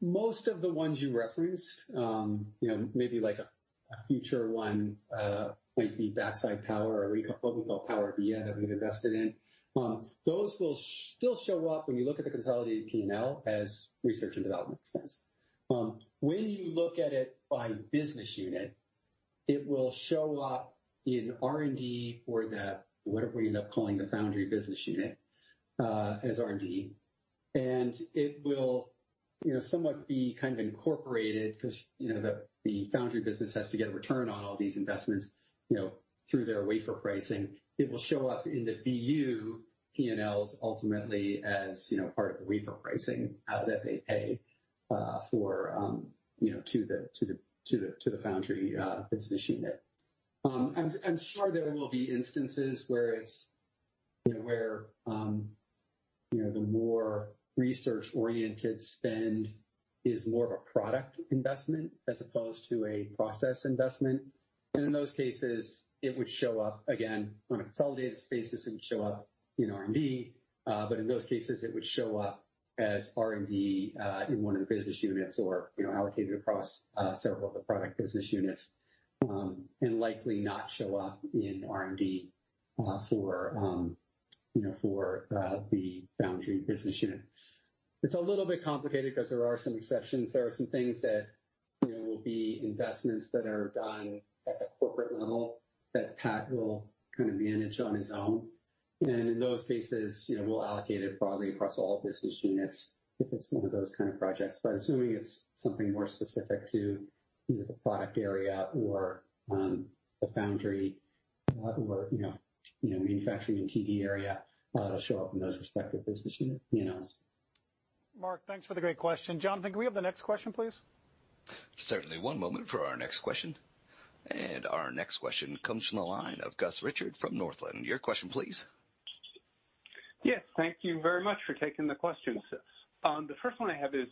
Most of the ones you referenced, you know, maybe like a future one, might be backside power or what we call PowerVia, that we've invested in. Those will still show up when you look at the consolidated P&L as research and development expense. When you look at it by business unit, it will show up in R&D for the, whatever we end up calling the foundry business unit, as R&D. It will, you know, somewhat be kind of incorporated, because, you know, the foundry business has to get a return on all these investments, you know, through their wafer pricing. It will show up in the BU P&Ls ultimately as, you know, part of the wafer pricing, that they pay, for, you know, to the foundry business unit. I'm sure there will be instances where it's, you know, where, you know, the more research-oriented spend is more of a product investment as opposed to a process investment. In those cases, it would show up, again, on a consolidated space, it wouldn't show up in R&D, but in those cases it would show up as R&D in one of the business units or, you know, allocated across several of the product business units, and likely not show up in R&D for, you know, for the foundry business unit. It's a little bit complicated because there are some exceptions. There are some things that, you know, will be investments that are done at the corporate level, that Pat will kind of manage on his own. In those cases, you know, we'll allocate it broadly across all business units if it's one of those kind of projects. Assuming it's something more specific to either the product area or, the foundry or, you know, manufacturing and TD area, it'll show up in those respective business unit P&Ls. Mark, thanks for the great question. Jonathan, can we have the next question, please? Certainly. One moment for our next question. Our next question comes from the line of Gus Richard from Northland. Your question, please. Yes, thank you very much for taking the questions. The first one I have is,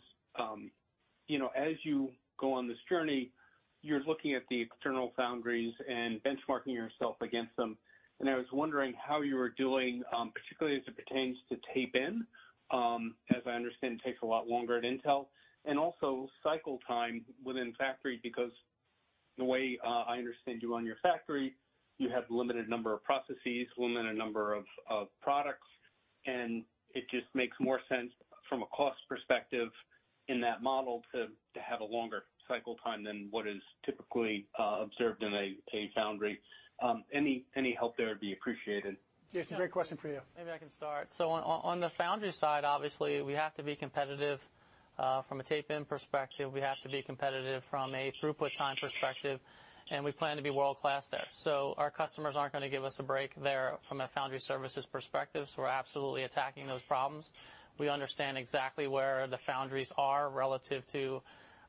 you know, as you go on this journey, you're looking at the external foundries and benchmarking yourself against them, and I was wondering how you were doing, particularly as it pertains to tape-in, as I understand, takes a lot longer at Intel, and also cycle time within factory, because the way I understand you on your factory, you have limited number of processes, limited number of products, and it just makes more sense from a cost perspective in that model to have a longer cycle time than what is typically observed in a foundry. Any help there would be appreciated. Jason, great question for you. Maybe I can start. On the foundry side, obviously, we have to be competitive from a tape-in perspective, we have to be competitive from a throughput time perspective, and we plan to be world-class there. Our customers aren't gonna give us a break there from a foundry services perspective, so we're absolutely attacking those problems. We understand exactly where the foundries are relative to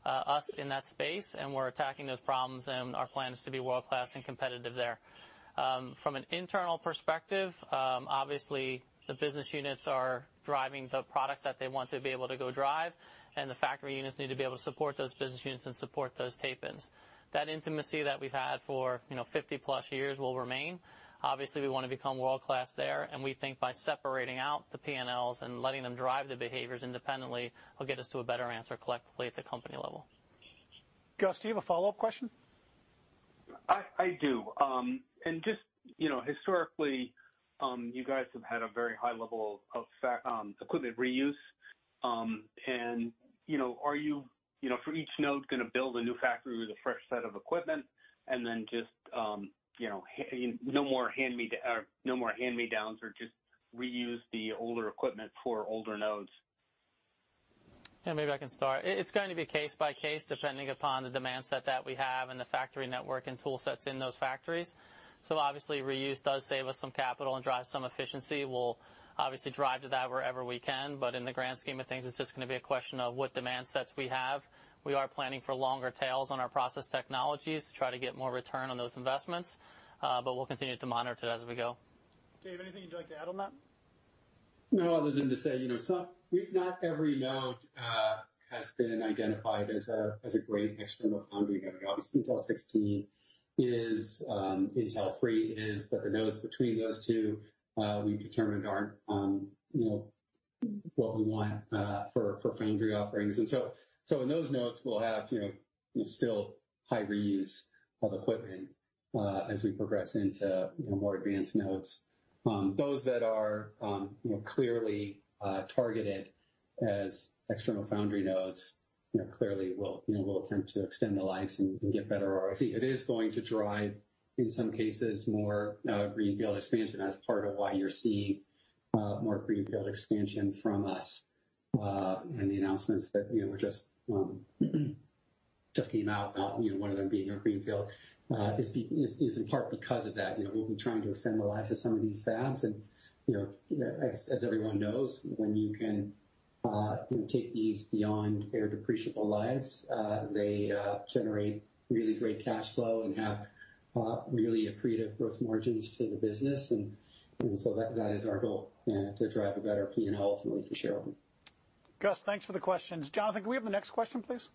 us in that space, and we're attacking those problems, and our plan is to be world-class and competitive there. From an internal perspective, obviously, the business units are driving the products that they want to be able to go drive, and the factory units need to be able to support those business units and support those tape-ins. That intimacy that we've had for, you know, 50+ years will remain. We wanna become world-class there, and we think by separating out the P&Ls and letting them drive the behaviors independently, will get us to a better answer collectively at the company level. Gus, do you have a follow-up question? I do. Just, you know, historically, you guys have had a very high level of equipment reuse. You know, are you know, for each node, gonna build a new factory with a fresh set of equipment and then just, you know, no more hand-me-downs, or just reuse the older equipment for older nodes? Yeah, maybe I can start. It's going to be case by case, depending upon the demand set that we have and the factory network and tool sets in those factories. Obviously, reuse does save us some capital and drive some efficiency. We'll obviously drive to that wherever we can, but in the grand scheme of things, it's just going to be a question of what demand sets we have. We are planning for longer tails on our process technologies to try to get more return on those investments, but we'll continue to monitor it as we go. Dave, anything you'd like to add on that? No, other than to say, you know, not every node has been identified as a great external foundry node. Obviously, Intel 16 is, Intel 3 is, but the nodes between those two, we've determined aren't, you know, what we want for foundry offerings. In those nodes, we'll have, you know, still high reuse of equipment as we progress into, you know, more advanced nodes. Those that are, you know, clearly targeted as external foundry nodes, you know, clearly we'll attempt to extend the lives and get better ROC. It is going to drive, in some cases, more greenfield expansion. That's part of why you're seeing more greenfield expansion from us, and the announcements that, you know, were just came out about, you know, one of them being a greenfield, is in part because of that. You know, we'll be trying to extend the lives of some of these fabs, and, you know, as everyone knows, when you can, you know, take these beyond their depreciable lives, they generate really great cash flow and have really accretive growth margins to the business. That is our goal, yeah, to drive a better P&L ultimately for shareholders. Gus, thanks for the questions. Jonathan, can we have the next question, please?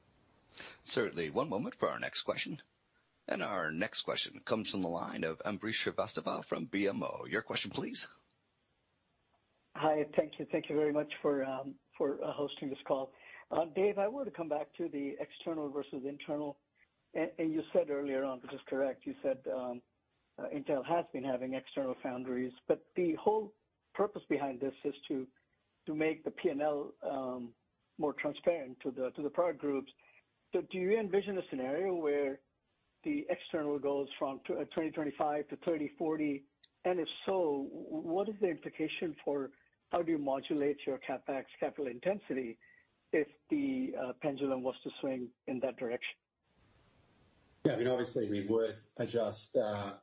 Certainly. One moment for our next question. Our next question comes from the line of Ambrish Srivastava from BMO. Your question, please. Hi. Thank you. Thank you very much for hosting this call. Dave, I want to come back to the external versus internal. You said earlier on, which is correct, you said Intel has been having external foundries, but the whole purpose behind this is to make the P&L more transparent to the product groups. Do you envision a scenario where the external goes from 20%, 25% to 30%, 40%? If so, what is the implication for how do you modulate your CapEx capital intensity if the pendulum was to swing in that direction? I mean, obviously we would adjust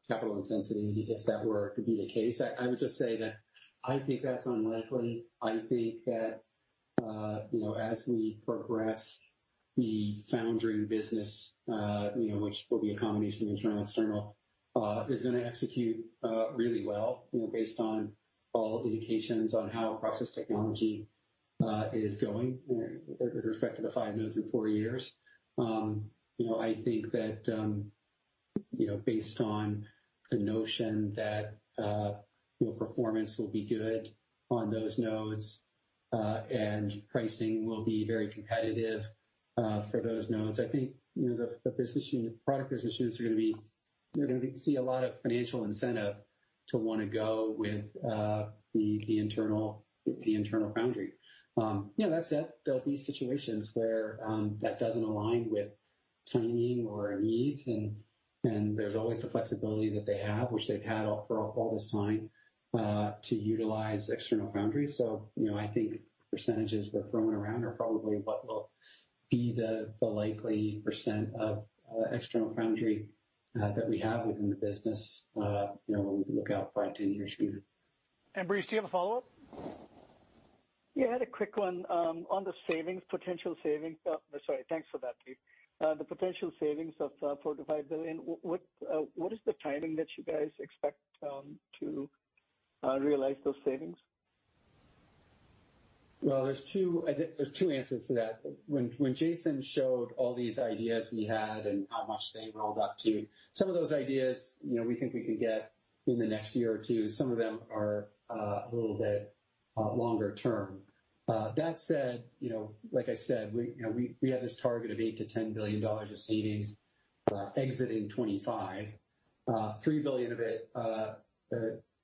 capital intensity if that were to be the case. I would just say that I think that's unlikely. I think that, you know, as we progress the foundry business, you know, which will be a combination of internal and external, is gonna execute really well, you know, based on all indications on how process technology is going with respect to the five nodes in four years. You know, I think that, you know, based on the notion that, you know, performance will be good on those nodes, and pricing will be very competitive for those nodes, I think, you know, the business unit, product business units are gonna see a lot of financial incentive to wanna go with the internal, the internal foundry. You know, that said, there'll be situations where that doesn't align with timing or needs, and there's always the flexibility that they have, which they've had for all this time to utilize external foundries. You know, I think percentages we're throwing around are probably what will be the likely percent of external foundry that we have within the business, you know, when we look out 5, 10 years from now. Ambrish, do you have a follow-up? Yeah, I had a quick one. On the savings, potential savings... Sorry. Thanks for that, Dave. The potential savings of $4 billion-$5 billion, what is the timing that you guys expect to realize those savings? There's two, I think there's two answers to that. When Jason showed all these ideas we had and how much they rolled up to, some of those ideas, you know, we think we can get in the next year or two. Some of them are longer term. That said, you know, like I said, we, you know, we have this target of $8 billion-$10 billion of savings, exiting 2025. $3 billion of it,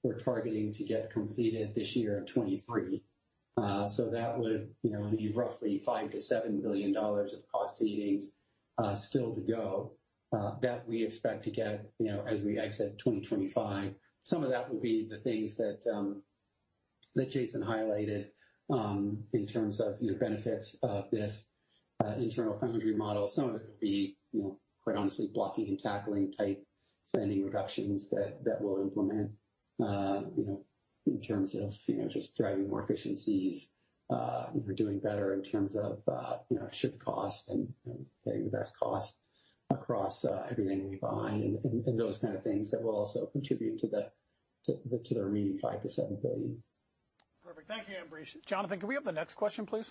we're targeting to get completed this year in 2023. That would, you know, leave roughly $5 billion-$7 billion of cost savings, still to go, that we expect to get, you know, as we exit 2025. Some of that will be the things that Jason highlighted, in terms of, you know, benefits of this internal foundry model. Some of it will be, you know, quite honestly, blocking and tackling type spending reductions that we'll implement, in terms of, you know, just driving more efficiencies. We're doing better in terms of, you know, ship cost and getting the best cost across everything we buy and those kind of things that will also contribute to the remaining $5 billion-$7 billion. Perfect. Thank you, Ambrish. Jonathan, can we have the next question, please?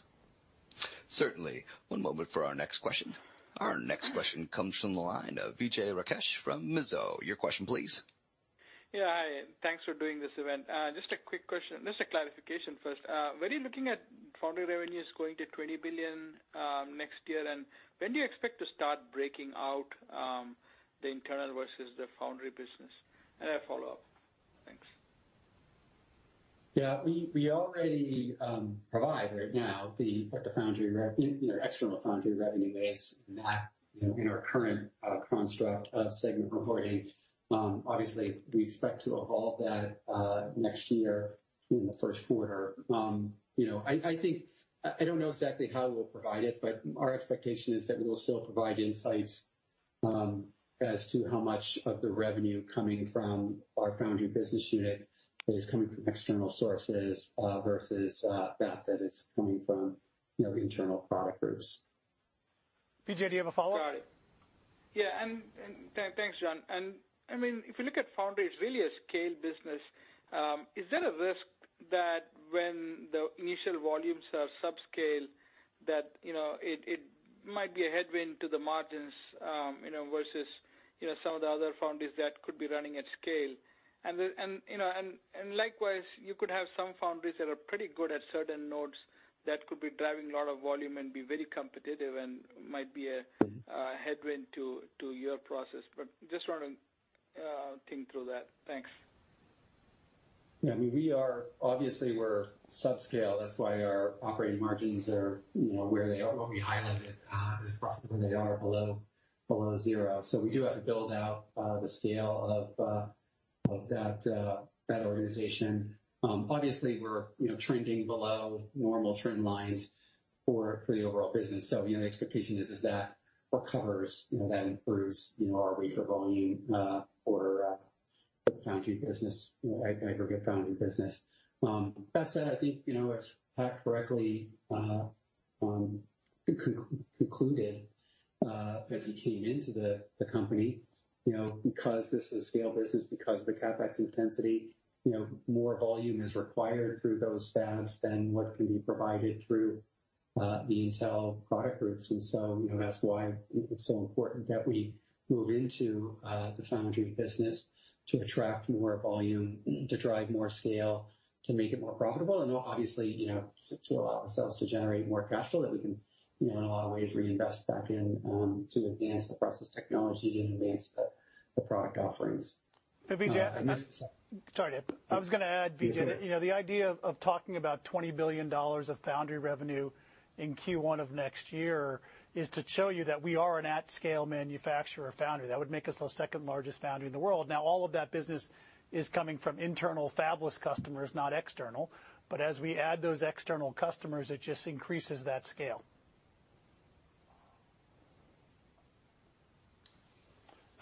Certainly. One moment for our next question. Our next question comes from the line of Vijay Rakesh from Mizuho. Your question please. Yeah, hi, and thanks for doing this event. Just a quick question, just a clarification first. When are you looking at foundry revenues going to $20 billion next year? When do you expect to start breaking out the internal versus the foundry business? I have follow-up. Thanks. We, we already provide right now the foundry, you know, external foundry revenue base, and that, you know, in our current construct of segment reporting. Obviously, we expect to evolve that next year in the first quarter. You know, I don't know exactly how we'll provide it, but our expectation is that we will still provide insights as to how much of the revenue coming from our foundry business unit is coming from external sources versus that is coming from, you know, internal product groups. Vijay, do you have a follow-up? Got it. Yeah, and thanks, John. I mean, if you look at foundry, it's really a scale business. Is there a risk that when the initial volumes are subscale, that, you know, it might be a headwind to the margins, you know, versus, you know, some of the other foundries that could be running at scale? You know, and likewise, you could have some foundries that are pretty good at certain nodes that could be driving a lot of volume and be very competitive and might be. Mm-hmm. - headwind to your process. Just want to think through that. Thanks. We're obviously subscale. That's why our operating margins are, you know, where they are, what we highlighted as profit, where they are below zero. We do have to build out the scale of that organization. Obviously, we're, you know, trending below normal trend lines for the overall business. The expectation is that recovers, you know, that improves, you know, our rate of volume for the foundry business, you know, aggregate foundry business. That said, I think, you know, as Pat correctly concluded as he came into the company, you know, because this is a scale business, because of the CapEx intensity, you know, more volume is required through those fabs than what can be provided through the Intel product groups you know, that's why it's so important that we move into, the foundry business to attract more volume, to drive more scale, to make it more profitable, and obviously, you know, to allow ourselves to generate more cash flow that we can, you know, in a lot of ways, reinvest back in, to advance the process technology and advance the product offerings. Vijay- That's- Sorry, I was going to add, Vijay, that, you know, the idea of talking about $20 billion of foundry revenue in Q1 of next year is to show you that we are an at-scale manufacturer foundry. That would make us the second largest foundry in the world. Now, all of that business is coming from internal fabless customers, not external. As we add those external customers, it just increases that scale.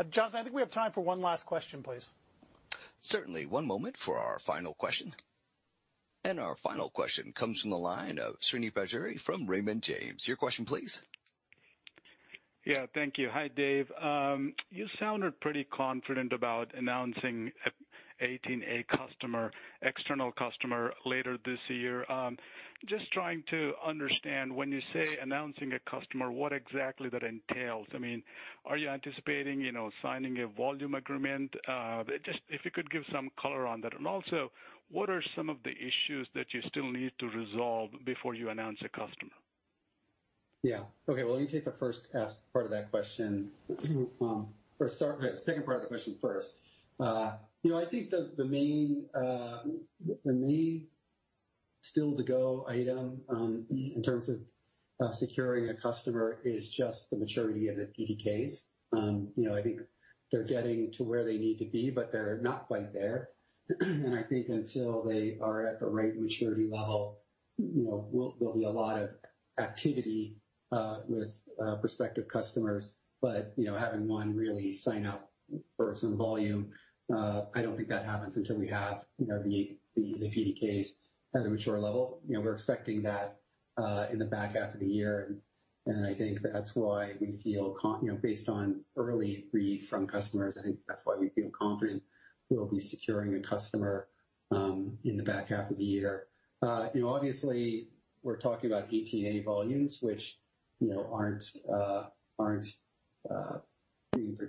Jonathan, I think we have time for one last question, please. Certainly. One moment for our final question. Our final question comes from the line of Srini Pajjuri from Raymond James. Your question, please. Thank you. Hi, Dave. You sounded pretty confident about announcing a 18A customer, external customer, later this year. Just trying to understand, when you say announcing a customer, what exactly that entails. I mean, are you anticipating, you know, signing a volume agreement? Just if you could give some color on that. What are some of the issues that you still need to resolve before you announce a customer? Yeah. Okay, well, let me take the first ask, part of that question, or sorry, second part of the question first. you know, I think the main still to-go item, in terms of, securing a customer is just the maturity of the PDKs. you know, I think they're getting to where they need to be, but they're not quite there. I think until they are at the right maturity level, you know, there'll be a lot of activity, with, prospective customers. Having one really sign up for some volume, I don't think that happens until we have, you know, the PDKs at a mature level. You know, we're expecting that in the back half of the year, and I think that's why we feel, you know, based on early read from customers, I think that's why we feel confident we'll be securing a customer in the back half of the year. You know, obviously, we're talking about 18A volumes, which, you know,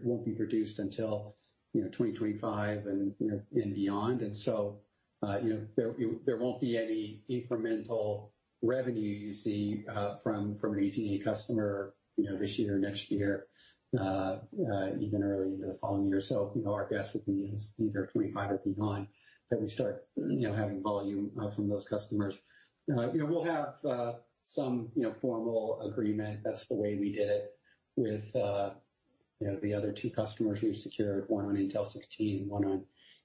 won't be produced until, you know, 2025 and, you know, and beyond. There won't be any incremental revenue you see from an 18A customer, you know, this year or next year, even early the following year. Our guess would be it's either 2025 or beyond that we start, you know, having volume from those customers. You know, we'll have some, you know, formal agreement. did it with, you know, the other two customers we've secured, one on Intel 16, one on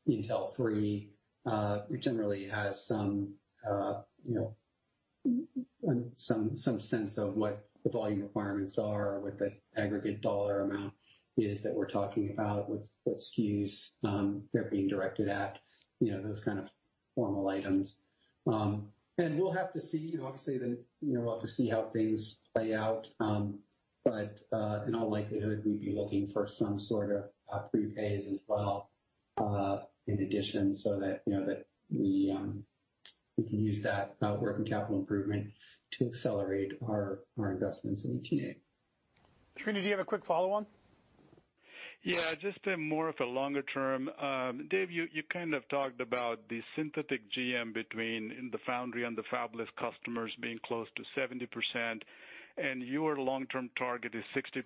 Intel 3. We generally have some, you know, some sense of what the volume requirements are or what the aggregate dollar amount is that we're talking about, what SKUs, they're being directed at, you know, those kind of formal items. We'll have to see. Obviously, you know, we'll have to see how things play out. But, in all likelihood, we'd be looking for some sort of prepays as well, in addition, so that, you know, that we can use that working capital improvement to accelerate our investments in 18A. Srini, do you have a quick follow-on? Yeah, just a more of a longer term. Dave, you kind of talked about the synthetic GM between the foundry and the fabless customers being close to 70%, and your long-term target is 60%.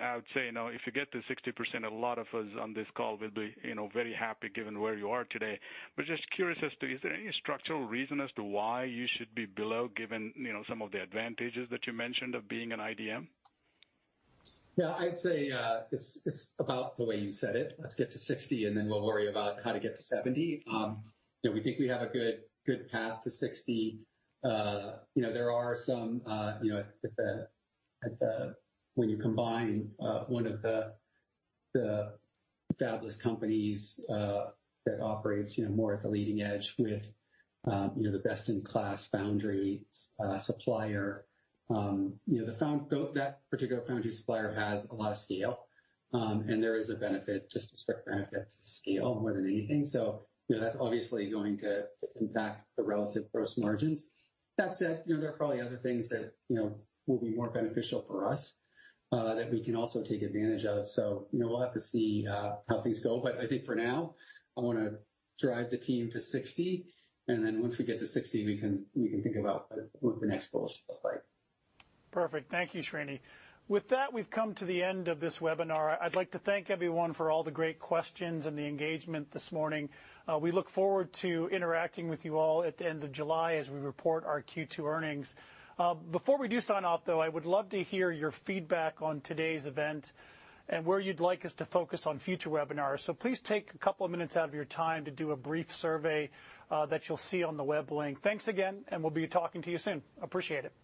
I would say, you know, if you get to 60%, a lot of us on this call will be, you know, very happy, given where you are today. Just curious as to, is there any structural reason as to why you should be below, given, you know, some of the advantages that you mentioned of being an IDM? Yeah, I'd say, it's about the way you said it. Let's get to 60, then we'll worry about how to get to 70. You know, we think we have a good path to 60. You know, there are some, you know, at the, when you combine, one of the fabless companies, that operates, you know, more at the leading edge with, you know, the best-in-class foundry supplier, you know, That particular foundry supplier has a lot of scale, and there is a benefit, just a strict benefit to scale more than anything. You know, that's obviously going to impact the relative gross margins. That said, you know, there are probably other things that, you know, will be more beneficial for us, that we can also take advantage of. You know, we'll have to see how things go. I think for now, I want to drive the team to 60, and then once we get to 60, we can think about what the next goal should look like. Perfect. Thank you, Srini. With that, we've come to the end of this webinar. I'd like to thank everyone for all the great questions and the engagement this morning. We look forward to interacting with you all at the end of July as we report our Q2 earnings. Before we do sign off, though, I would love to hear your feedback on today's event and where you'd like us to focus on future webinars. Please take a couple of minutes out of your time to do a brief survey that you'll see on the web link. Thanks again. We'll be talking to you soon. Appreciate it.